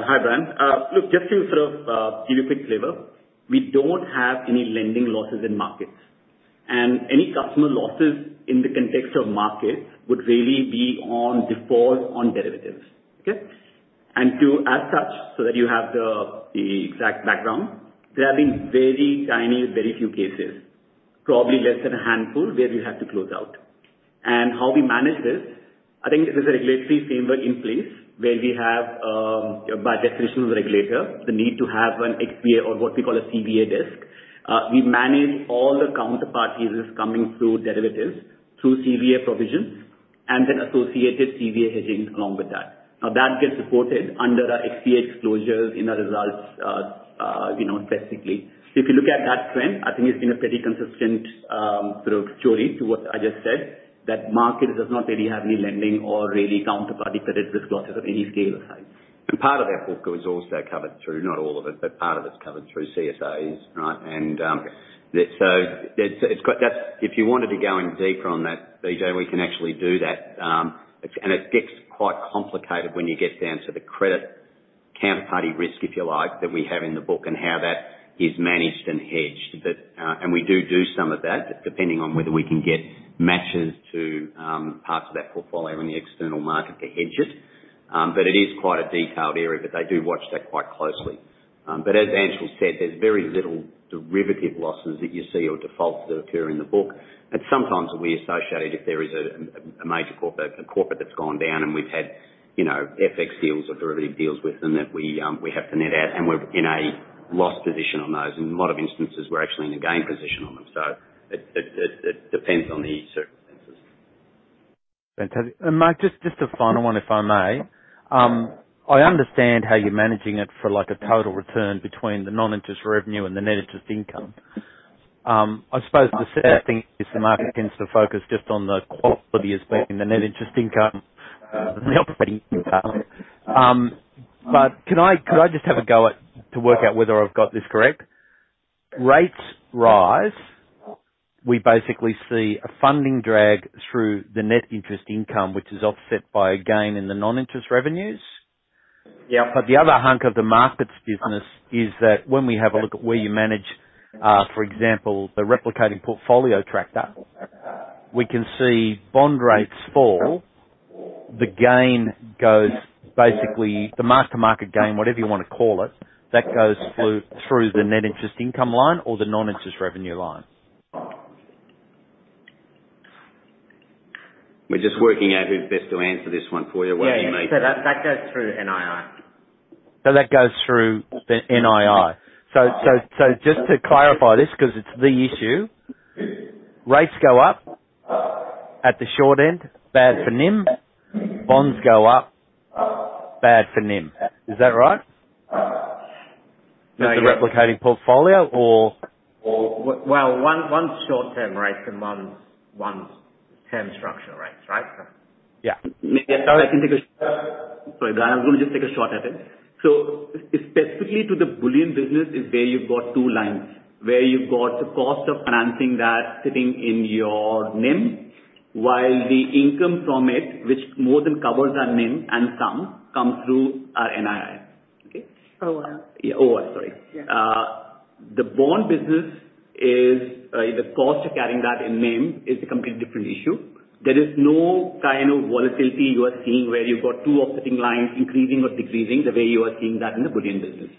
Hi, Brian. Look, just to sort of give you a quick flavor, we don't have any lending losses in markets. Any customer losses in the context of markets would really be on default on derivatives, okay? As such, so that you have the exact background, there have been very tiny, very few cases, probably less than a handful, where we had to close out. How we manage this, I think there's a regulatory framework in place where we have, by definition, the regulator, the need to have an XVA or what we call a CVA desk. We manage all the counterparties coming through derivatives through CVA provisions and then associated CVA hedging along with that. Now, that gets reported under our XVA disclosures in our results specifically. So if you look at that trend, I think it's been a pretty consistent sort of story to what I just said, that markets does not really have any lending or really counterparty credit risk losses of any scale aside. Part of their focus is also covered through not all of it, but part of it's covered through CSAs, right? So if you wanted to go in deeper on that, BJ, we can actually do that. It gets quite complicated when you get down to the credit counterparty risk, if you like, that we have in the book and how that is managed and hedged. We do do some of that depending on whether we can get matches to parts of that portfolio in the external market to hedge it. But it is quite a detailed area, but they do watch that quite closely. But as Anshul said, there's very little derivative losses that you see or defaults that occur in the book. Sometimes we associate it if there is a major corporate that's gone down and we've had FX deals or derivative deals with them that we have to net out, and we're in a loss position on those. In a lot of instances, we're actually in a gain position on them. It depends on the circumstances. Fantastic. And Mark, just a final one, if I may. I understand how you're managing it for a total return between the non-interest revenue and the net interest income. I suppose the sad thing is the market tends to focus just on the quality as being the net interest income and the operating income. But could I just have a go to work out whether I've got this correct? Rates rise. We basically see a funding drag through the net interest income, which is offset by a gain in the non-interest revenues. But the other hunk of the markets business is that when we have a look at where you manage, for example, the replicating portfolio tracker, we can see bond rates fall. The gain goes basically the mark-to-market gain, whatever you want to call it, that goes through the net interest income line or the non-interest revenue line. We're just working out who's best to answer this one for you. What do you mean? Yeah. So that goes through NII. So that goes through NII. So just to clarify this because it's the issue, rates go up at the short end, bad for NIM. Bonds go up, bad for NIM. Is that right? That's the replicating portfolio, or? Well, one's short-term rates and one's term structure rates, right? Yeah. Maybe I can take a sorry, Brian. I was going to just take a shot at it. So specifically to the bullion business is where you've got two lines, where you've got the cost of financing that sitting in your NIM while the income from it, which more than covers our NIM and some, comes through our NII, okay? OOI. Yeah. OOI. Sorry. The bond business is the cost of carrying that in NIM is a completely different issue. There is no kind of volatility you are seeing where you've got two offsetting lines increasing or decreasing the way you are seeing that in the bullion business.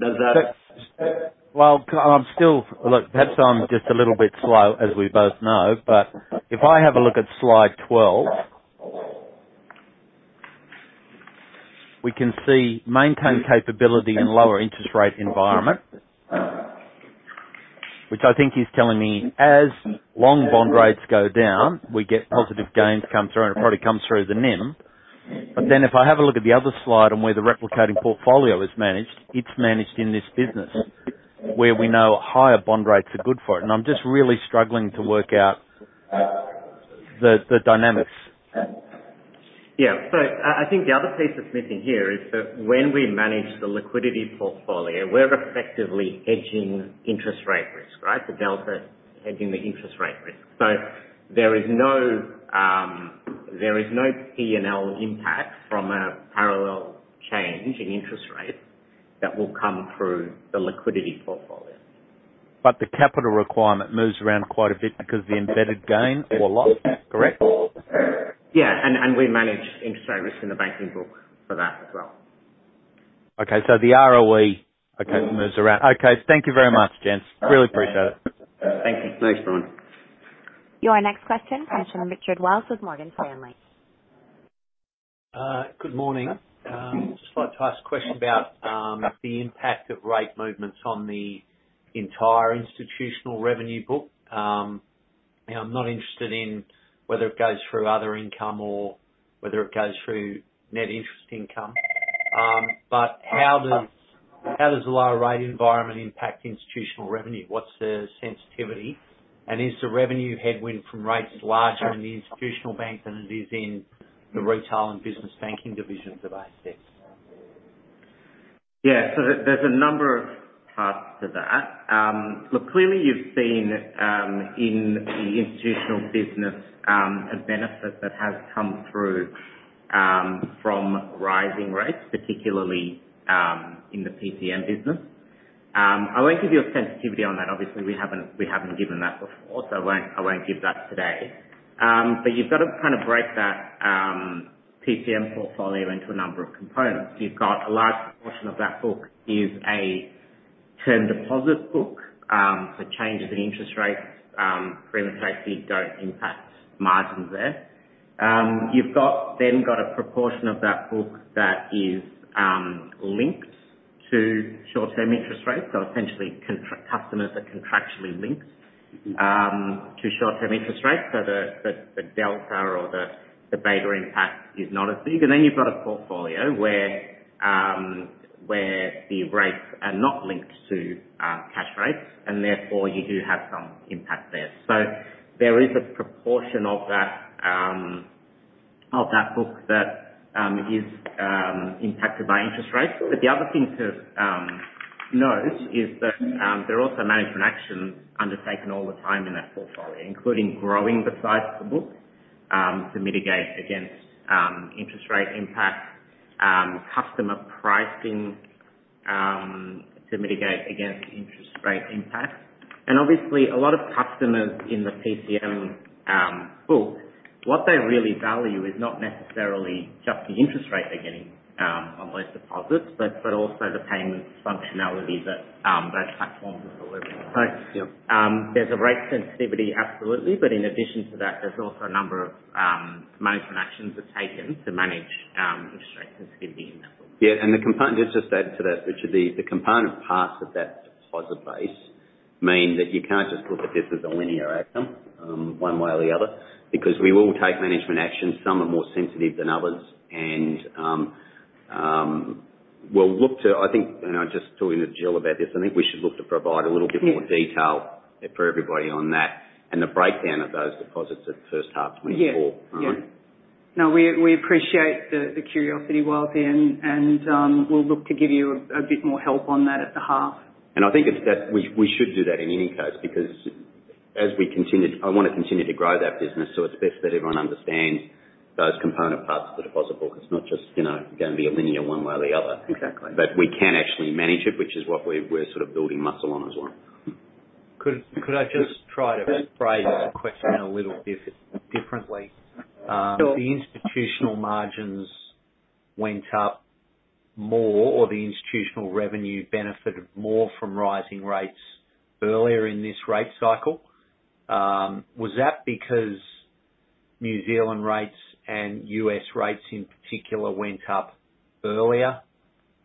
Does that? Well, look, that's just a little bit slow, as we both know. But if I have a look at slide 12, we can see maintained capability in lower interest rate environment, which I think is telling me as long bond rates go down, we get positive gains come through, and it probably comes through the NIM. But then if I have a look at the other slide on where the replicating portfolio is managed, it's managed in this business where we know higher bond rates are good for it. And I'm just really struggling to work out the dynamics. Yeah. So I think the other piece that's missing here is that when we manage the liquidity portfolio, we're effectively hedging interest rate risk, right, the delta hedging the interest rate risk. So there is no P&L impact from a parallel change in interest rate that will come through the liquidity portfolio. The capital requirement moves around quite a bit because of the embedded gain or loss, correct? Yeah. And we manage interest rate risk in the banking book for that as well. Okay. So the ROE, okay, moves around. Okay. Thank you very much, gents. Really appreciate it. Thank you. Thanks, Brian. Your next question comes from Richard Wiles with Morgan Stanley. Good morning. I'd just like to ask a question about the impact of rate movements on the entire institutional revenue book. Now, I'm not interested in whether it goes through other income or whether it goes through net interest income. But how does the lower rate environment impact institutional revenue? What's the sensitivity? And is the revenue headwind from rates larger in the institutional bank than it is in the retail and business banking divisions of ANZ? Yeah. So there's a number of parts to that. Look, clearly, you've seen in the institutional business a benefit that has come through from rising rates, particularly in the PCM business. I won't give you a sensitivity on that. Obviously, we haven't given that before, so I won't give that today. But you've got to kind of break that PCM portfolio into a number of components. You've got a large proportion of that book is a term deposit book. So changes in interest rates, provide safety, don't impact margins there. You've then got a proportion of that book that is linked to short-term interest rates. So essentially, customers are contractually linked to short-term interest rates. So the delta or the VaR impact is not as big. And then you've got a portfolio where the rates are not linked to cash rates, and therefore, you do have some impact there. So there is a proportion of that book that is impacted by interest rates. But the other thing to note is that there are also management actions undertaken all the time in that portfolio, including growing the size of the book to mitigate against interest rate impact, customer pricing to mitigate against interest rate impact. And obviously, a lot of customers in the PCM book, what they really value is not necessarily just the interest rate they're getting on those deposits, but also the payments functionality that those platforms are delivering. So there's a rate sensitivity, absolutely. But in addition to that, there's also a number of management actions that are taken to manage interest rate sensitivity in that book. Yeah. Just to add to that, Richard, the component parts of that deposit base mean that you can't just look at this as a linear item one way or the other because we will take management actions. Some are more sensitive than others and will look to. I think I was just talking to Jill about this. I think we should look to provide a little bit more detail for everybody on that and the breakdown of those deposits at first half 2024, right? Yeah. No, we appreciate the curiosity whilst in, and we'll look to give you a bit more help on that at the half. I think it's that we should do that in any case because as we continue to I want to continue to grow that business, so it's best that everyone understands those component parts of the deposit book. It's not just going to be a linear one way or the other. We can actually manage it, which is what we're sort of building muscle on as well. Could I just try to phrase the question a little bit differently? The institutional margins went up more, or the institutional revenue benefited more from rising rates earlier in this rate cycle. Was that because New Zealand rates and U.S. rates in particular went up earlier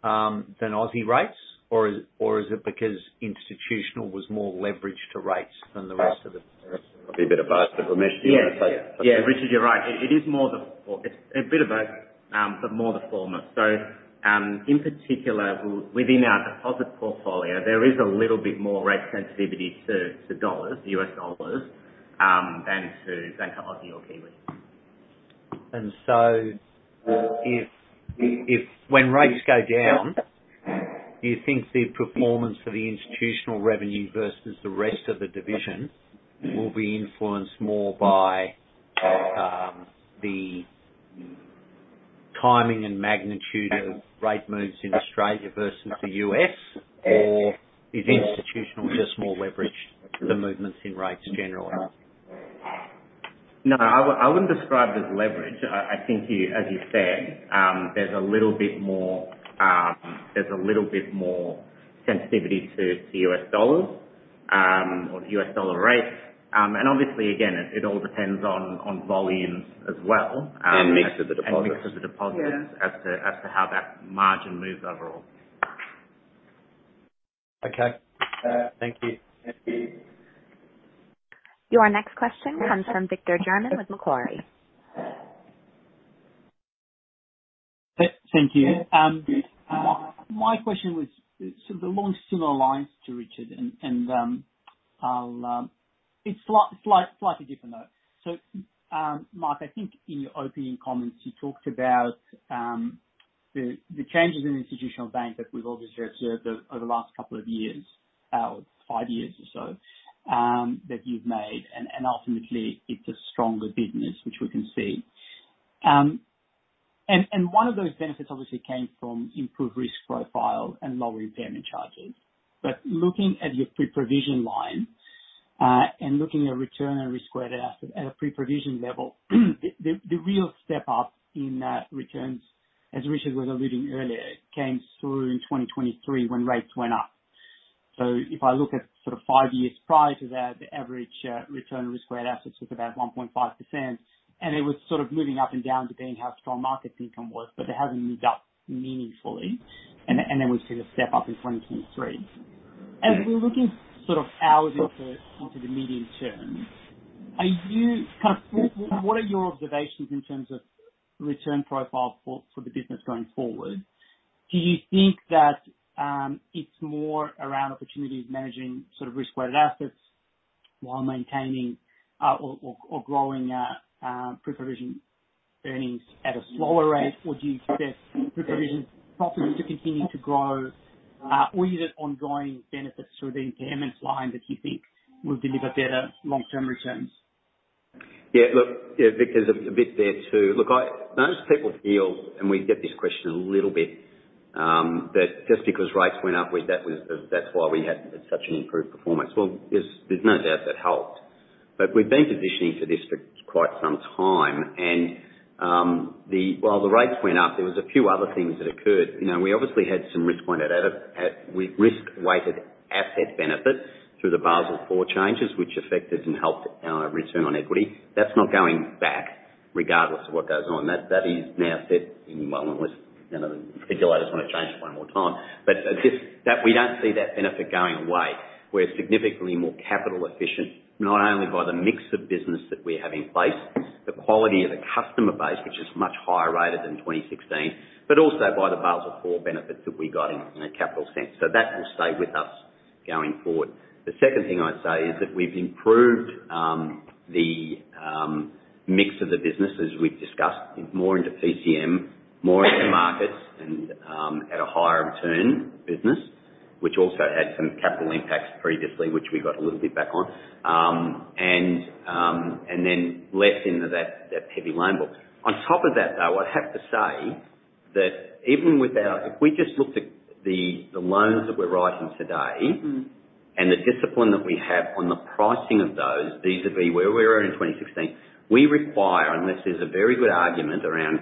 than Aussie rates, or is it because institutional was more leveraged to rates than the rest of the? That would be a bit of both, but Ramesh, do you want to say something? Yeah. Richard, you're right. It is more, it's a bit of both, but more the former. So in particular, within our deposit portfolio, there is a little bit more rate sensitivity to U.S. dollars than to Aussie or Kiwi. So when rates go down, do you think the performance of the institutional revenue versus the rest of the division will be influenced more by the timing and magnitude of rate moves in Australia versus the U.S., or is institutional just more leveraged, the movements in rates generally? No, I wouldn't describe it as leverage. I think, as you said, there's a little bit more sensitivity to U.S. dollars or U.S. dollar rates. And obviously, again, it all depends on volumes as well. Mix of the deposits. Mix of the deposits as to how that margin moves overall. Okay. Thank you. Your next question comes from Victor German with Macquarie. Thank you. My question was sort of along similar lines to Richard, and it's slightly different, though. So Mark, I think in your opening comments, you talked about the changes in institutional bank that we've obviously observed over the last couple of years or five years or so that you've made. And ultimately, it's a stronger business, which we can see. And one of those benefits obviously came from improved risk profile and lower impairment charges. But looking at your pre-provision line and looking at return on risk-weighted assets at a pre-provision level, the real step up in returns, as Richard was alluding earlier, came through in 2023 when rates went up. So if I look at sort of five years prior to that, the average return on risk-weighted assets was about 1.5%. It was sort of moving up and down depending on how strong market income was, but it hasn't moved up meaningfully. Then we've seen a step up in 2023. As we're looking sort of hours into the medium term, kind of what are your observations in terms of return profile for the business going forward? Do you think that it's more around opportunities managing sort of risk-weighted assets while maintaining or growing pre-provision earnings at a slower rate, or do you expect pre-provision profits to continue to grow, or is it ongoing benefits through the impairments line that you think will deliver better long-term returns? Yeah. Look, yeah, Victor's a bit there too. Look, most people feel, and we get this question a little bit, that just because rates went up, that's why we had such an improved performance. Well, there's no doubt that helped. But we've been positioning for this for quite some time. And while the rates went up, there was a few other things that occurred. We obviously had some risk-weighted asset benefit through the Basel IV changes, which affected and helped our return on equity. That's not going back regardless of what goes on. That is now set in well unless the regulators want to change it one more time. But we don't see that benefit going away. We're significantly more capital-efficient not only by the mix of business that we have in place, the quality of the customer base, which is much higher rated than 2016, but also by the Basel IV benefits that we got in a capital sense. So that will stay with us going forward. The second thing I'd say is that we've improved the mix of the business, as we've discussed, more into PCM, more into markets, and at a higher return business, which also had some capital impacts previously, which we got a little bit back on, and then less into that heavy loan book. On top of that, though, I'd have to say that even if we just looked at the loans that we're writing today and the discipline that we have on the pricing of those, these would be where we were in 2016. We require, unless there's a very good argument around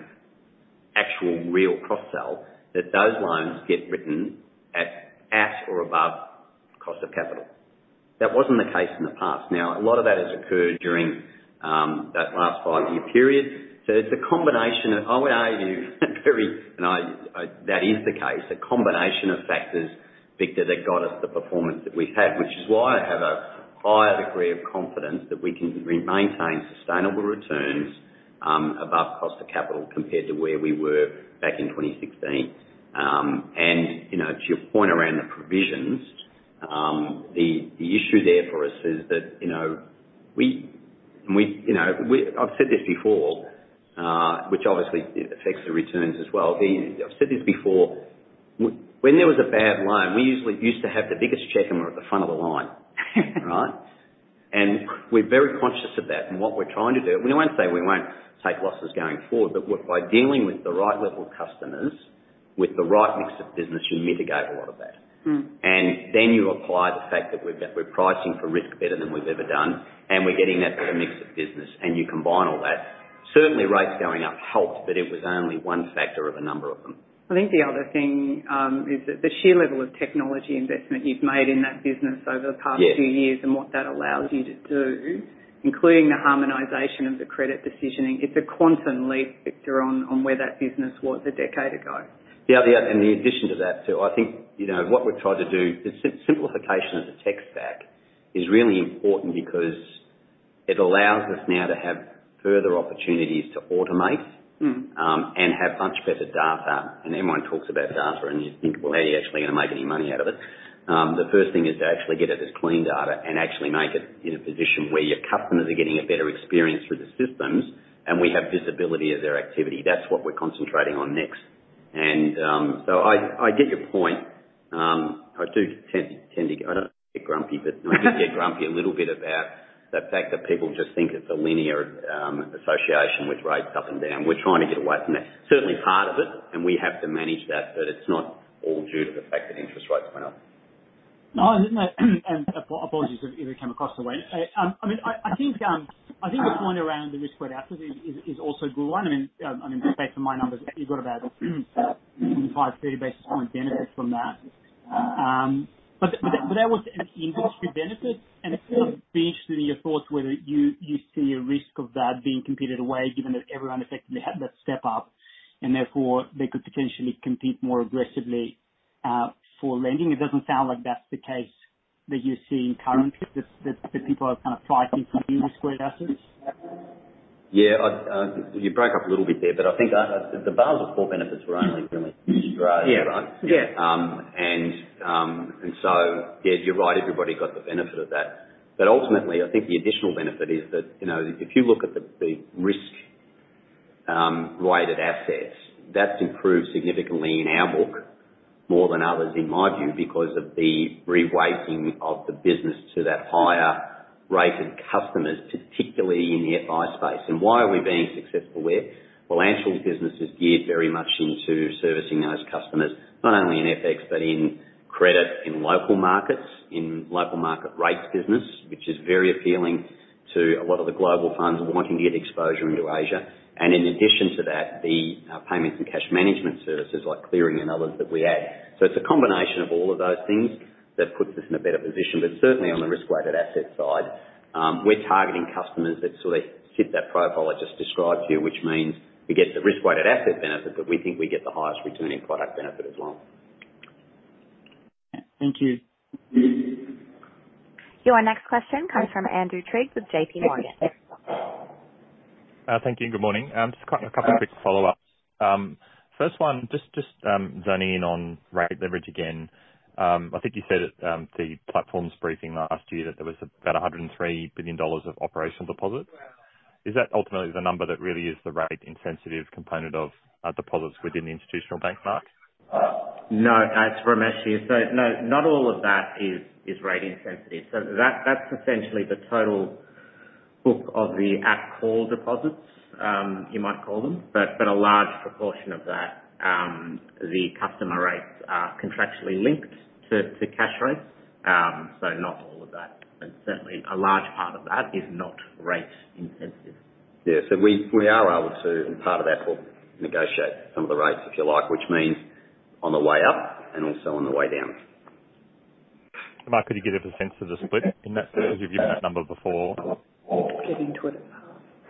actual real cross-sell, that those loans get written at or above cost of capital. That wasn't the case in the past. Now, a lot of that has occurred during that last 5-year period. So it's a combination of, I would argue very and that is the case, a combination of factors, Victor, that got us the performance that we've had, which is why I have a higher degree of confidence that we can maintain sustainable returns above cost of capital compared to where we were back in 2016. To your point around the provisions, the issue there for us is that we, and I've said this before, which obviously affects the returns as well. I've said this before. When there was a bad loan, we usually used to have the biggest check, and we're at the front of the line, right? And we're very conscious of that and what we're trying to do. We don't want to say we won't take losses going forward, but look, by dealing with the right level of customers, with the right mix of business, you mitigate a lot of that. And then you apply the fact that we're pricing for risk better than we've ever done, and we're getting that better mix of business. And you combine all that. Certainly, rates going up helped, but it was only one factor of a number of them. I think the other thing is that the sheer level of technology investment you've made in that business over the past few years and what that allows you to do, including the harmonization of the credit decisioning. It's a quantum leap, Victor, on where that business was a decade ago. Yeah. Yeah. And in addition to that too, I think what we've tried to do, the simplification of the tech stack is really important because it allows us now to have further opportunities to automate and have much better data. And everyone talks about data, and you think, "Well, how are you actually going to make any money out of it?" The first thing is to actually get it as clean data and actually make it in a position where your customers are getting a better experience through the systems, and we have visibility of their activity. That's what we're concentrating on next. And so I get your point. I do tend to, I don't want to get grumpy, but I do get grumpy a little bit about the fact that people just think it's a linear association with rates up and down. We're trying to get away from that. Certainly, part of it, and we have to manage that, but it's not all due to the fact that interest rates went up. No, isn't it? And apologies if it came across the way. I mean, I think the point around the risk weighted assets is also a good one. I mean, I mean, based on my numbers, you've got about 25-30 basis point benefits from that. But that was an industry benefit. And I'd be interested in your thoughts whether you see a risk of that being competed away given that everyone effectively had that step up, and therefore, they could potentially compete more aggressively for lending. It doesn't sound like that's the case that you see currently, that people are kind of pricing for new risk weighted assets. Yeah. You broke up a little bit there, but I think the Basel IV benefits were only really in Australia, right? And so yeah, you're right. Everybody got the benefit of that. But ultimately, I think the additional benefit is that if you look at the risk-weighted assets, that's improved significantly in our book more than others, in my view, because of the reweighting of the business to that higher-rated customers, particularly in the FI space. And why are we being successful there? Well, Anshul's business is geared very much into servicing those customers, not only in FX but in credit, in local markets, in local market rates business, which is very appealing to a lot of the global funds wanting to get exposure into Asia. And in addition to that, the payments and cash management services like clearing and others that we add. It's a combination of all of those things that puts us in a better position. Certainly, on the risk-weighted asset side, we're targeting customers that sort of sit that profile I just described to you, which means we get the risk-weighted asset benefit, but we think we get the highest returning product benefit as well. Thank you. Your next question comes from Andrew Trigg with JPMorgan. Thank you. Good morning. Just a couple of quick follow-ups. First one, just zoning in on rate leverage again. I think you said at the platform's briefing last year that there was about $103 billion of operational deposits. Is that ultimately the number that really is the rate-insensitive component of deposits within the institutional bank market? No. It's Ramesh here. So no, not all of that is rate-insensitive. So that's essentially the total book of the at-call deposits, you might call them. But a large proportion of that, the customer rates are contractually linked to cash rates. So not all of that. And certainly, a large part of that is not rate-insensitive. Yeah. So we are able to, and part of that, negotiate some of the rates, if you like, which means on the way up and also on the way down. Mark, could you give us a sense of the split in that space? Because you've given that number before. Giving to it as part of.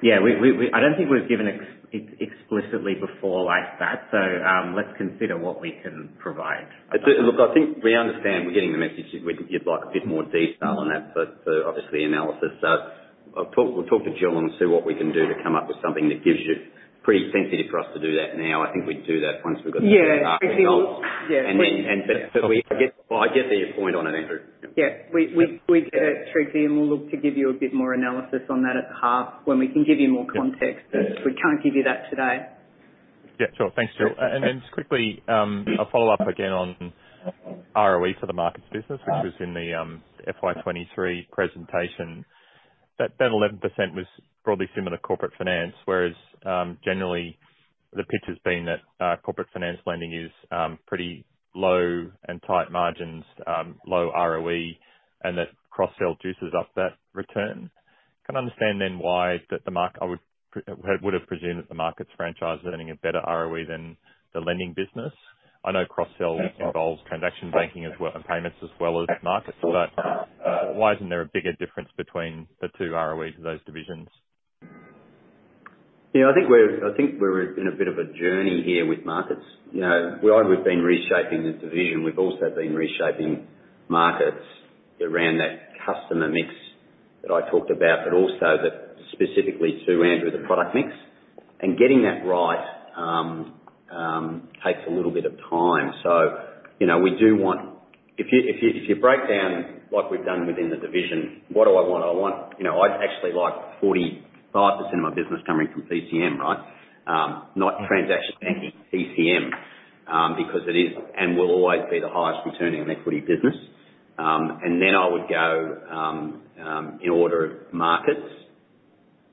Yeah. I don't think we've given it explicitly before like that. So let's consider what we can provide. Look, I think we understand. We're getting the message that you'd like a bit more detail on that, but obviously, analysis. So we'll talk to Jill and see what we can do to come up with something that gives you pretty sensitive for us to do that now. I think we'd do that once we've got the data out. Yeah. Actually, we'll. Yeah. But I get your point on it, Andrew. Yeah. We get it, Trigg yeah, and we'll look to give you a bit more analysis on that at the half when we can give you more context. We can't give you that today. Yeah. Sure. Thanks, Jill. Then just quickly, a follow-up again on ROE for the markets business, which was in the FY 2023 presentation. That 11% was broadly similar to corporate finance, whereas generally, the pitch has been that corporate finance lending is pretty low and tight margins, low ROE, and that cross-sell juices up that return. Can I understand then why that the market I would have presumed that the markets franchise is earning a better ROE than the lending business? I know cross-sell involves transaction banking and payments as well as markets, but why isn't there a bigger difference between the two ROEs of those divisions? Yeah. I think we're in a bit of a journey here with markets. While we've been reshaping the division, we've also been reshaping markets around that customer mix that I talked about, but also specifically to, Andrew, the product mix. And getting that right takes a little bit of time. So we do want if you break down like we've done within the division, what do I want? I want I'd actually like 45% of my business coming from PCM, right? Not transaction banking, PCM, because it is and will always be the highest-returning on equity business. And then I would go in order of markets,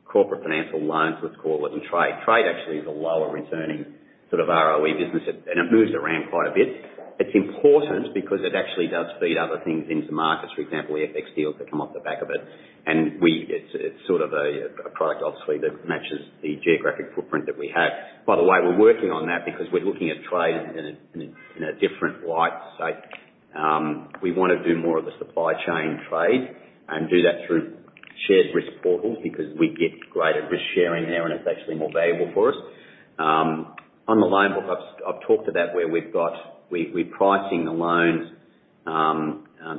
corporate financial loans, let's call it, and trade. Trade actually is a lower-returning sort of ROE business, and it moves around quite a bit. It's important because it actually does feed other things into markets, for example, EFX deals that come off the back of it. And it's sort of a product, obviously, that matches the geographic footprint that we have. By the way, we're working on that because we're looking at trade in a different light. So we want to do more of the supply chain trade and do that through shared risk portals because we get greater risk-sharing there, and it's actually more valuable for us. On the loan book, I've talked to that where we're pricing the loans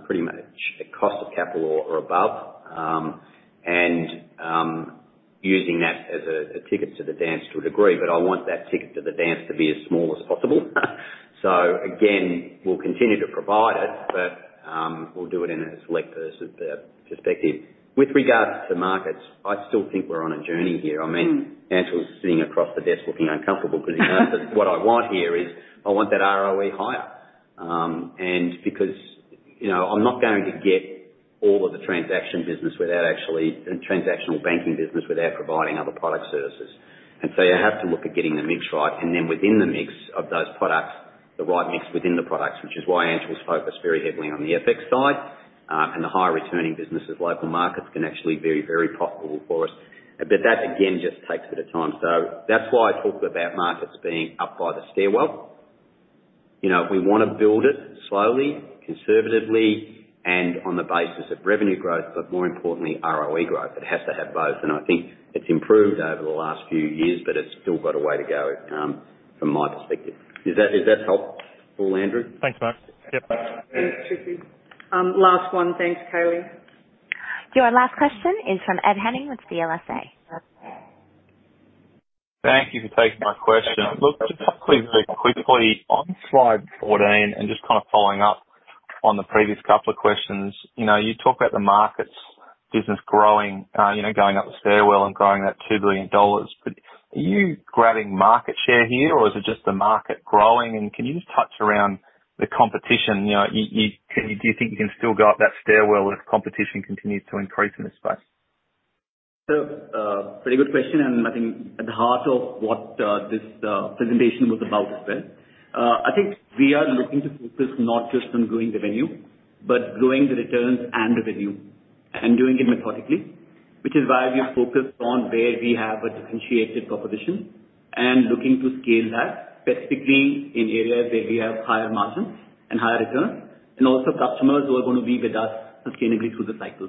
pretty much at cost of capital or above and using that as a ticket to the dance to a degree. But I want that ticket to the dance to be as small as possible. So again, we'll continue to provide it, but we'll do it in a selective perspective. With regards to markets, I still think we're on a journey here. I mean, Anshul's sitting across the desk looking uncomfortable because he asked us, "What I want here is I want that ROE higher." And because I'm not going to get all of the transaction business without actually the transactional banking business without providing other product services. And so you have to look at getting the mix right. And then within the mix of those products, the right mix within the products, which is why Anshul's focused very heavily on the FX side. And the higher-returning businesses, local markets, can actually be very, very profitable for us. But that, again, just takes a bit of time. So that's why I talk about markets being up by the stairwell. We want to build it slowly, conservatively, and on the basis of revenue growth, but more importantly, ROE growth. It has to have both. And I think it's improved over the last few years, but it's still got a way to go from my perspective. Does that help all, Andrew? Thanks, Mark. Yep. Thanks, Christine. Last one. Thanks, Kelly. Your last question is from Ed Henning with CLSA. Thank you for taking my question. Look, just hopefully, very quickly, on slide 14 and just kind of following up on the previous couple of questions, you talk about the markets business growing, going up the stairwell and growing that 2 billion dollars. But are you grabbing market share here, or is it just the market growing? And can you just touch around the competition? Do you think you can still go up that stairwell if competition continues to increase in this space? Pretty good question. I think at the heart of what this presentation was about as well, I think we are looking to focus not just on growing revenue but growing the returns and revenue and doing it methodically, which is why we are focused on where we have a differentiated proposition and looking to scale that specifically in areas where we have higher margins and higher returns and also customers who are going to be with us sustainably through the cycle.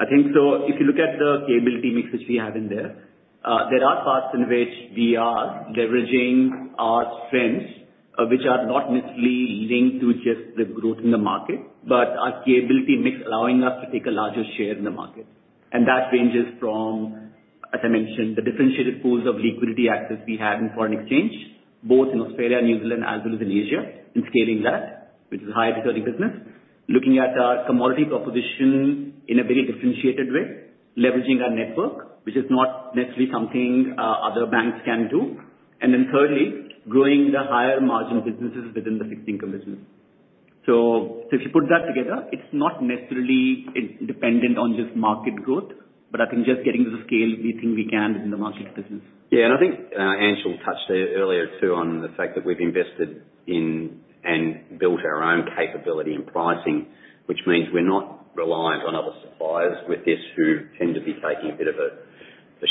I think so if you look at the capability mix which we have in there, there are parts in which we are leveraging our strengths, which are not necessarily linked to just the growth in the market but our capability mix allowing us to take a larger share in the market. That ranges from, as I mentioned, the differentiated pools of liquidity assets we have in foreign exchange, both in Australia, New Zealand, as well as in Asia, in scaling that, which is a higher-returning business, looking at our commodity proposition in a very differentiated way, leveraging our network, which is not necessarily something other banks can do, and then thirdly, growing the higher-margin businesses within the fixed income business. If you put that together, it's not necessarily dependent on just market growth, but I think just getting to the scale we think we can within the markets business. Yeah. And I think Anshul touched earlier too on the fact that we've invested in and built our own capability and pricing, which means we're not reliant on other suppliers with this who tend to be taking a bit of a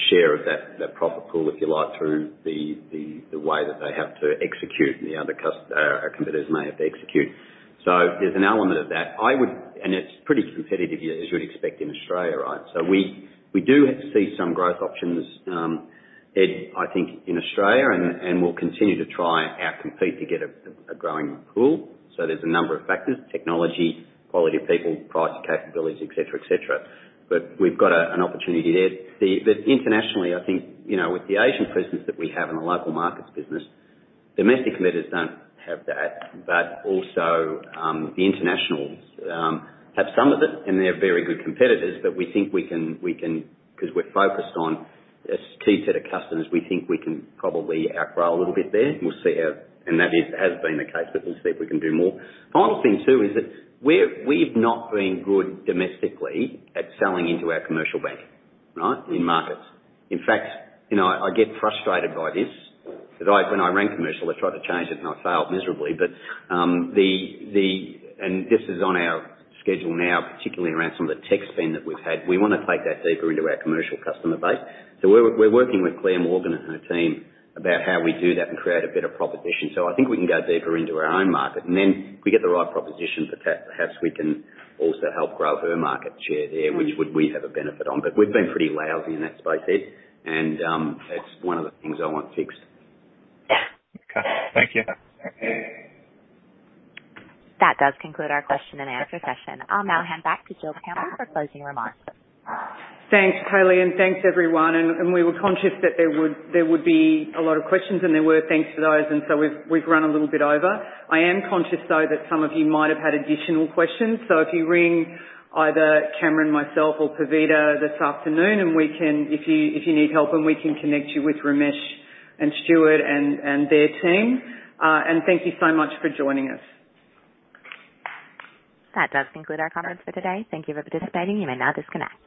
share of that profit pool, if you like, through the way that they have to execute and the other competitors may have to execute. So there's an element of that. And it's pretty competitive, as you'd expect, in Australia, right? So we do see some growth options, Ed, I think, in Australia, and we'll continue to try to compete to get a growing pool. So there's a number of factors: technology, quality of people, pricing capabilities, etc., etc. But we've got an opportunity there. But internationally, I think with the Asian presence that we have in the local markets business, domestic competitors don't have that. But also, the internationals have some of it, and they're very good competitors. But we think we can because we're focused on a key set of customers, we think we can probably outgrow a little bit there. And that has been the case, but we'll see if we can do more. Final thing too is that we've not been good domestically at selling into our commercial banking, right, in markets. In fact, I get frustrated by this because when I ran commercial, I tried to change it, and I failed miserably. But the and this is on our schedule now, particularly around some of the tech spend that we've had. We want to take that deeper into our commercial customer base. So we're working with Clare Morgan and her team about how we do that and create a better proposition. So I think we can go deeper into our own market. And then if we get the right proposition, perhaps we can also help grow her market share there, which would we have a benefit on. But we've been pretty lousy in that space, Ed. And it's one of the things I want fixed. Okay. Thank you. That does conclude our question-and-answer session. I'll now hand back to Jill Campbell for closing remarks. Thanks, Kelly, and thanks, everyone. We were conscious that there would be a lot of questions, and there were. Thanks for those. So we've run a little bit over. I am conscious, though, that some of you might have had additional questions. So if you ring either Cameron, myself, or Pavita this afternoon, and if you need help, we can connect you with Ramesh and Stuart and their team. Thank you so much for joining us. That does conclude our conference for today. Thank you for participating. You may now disconnect.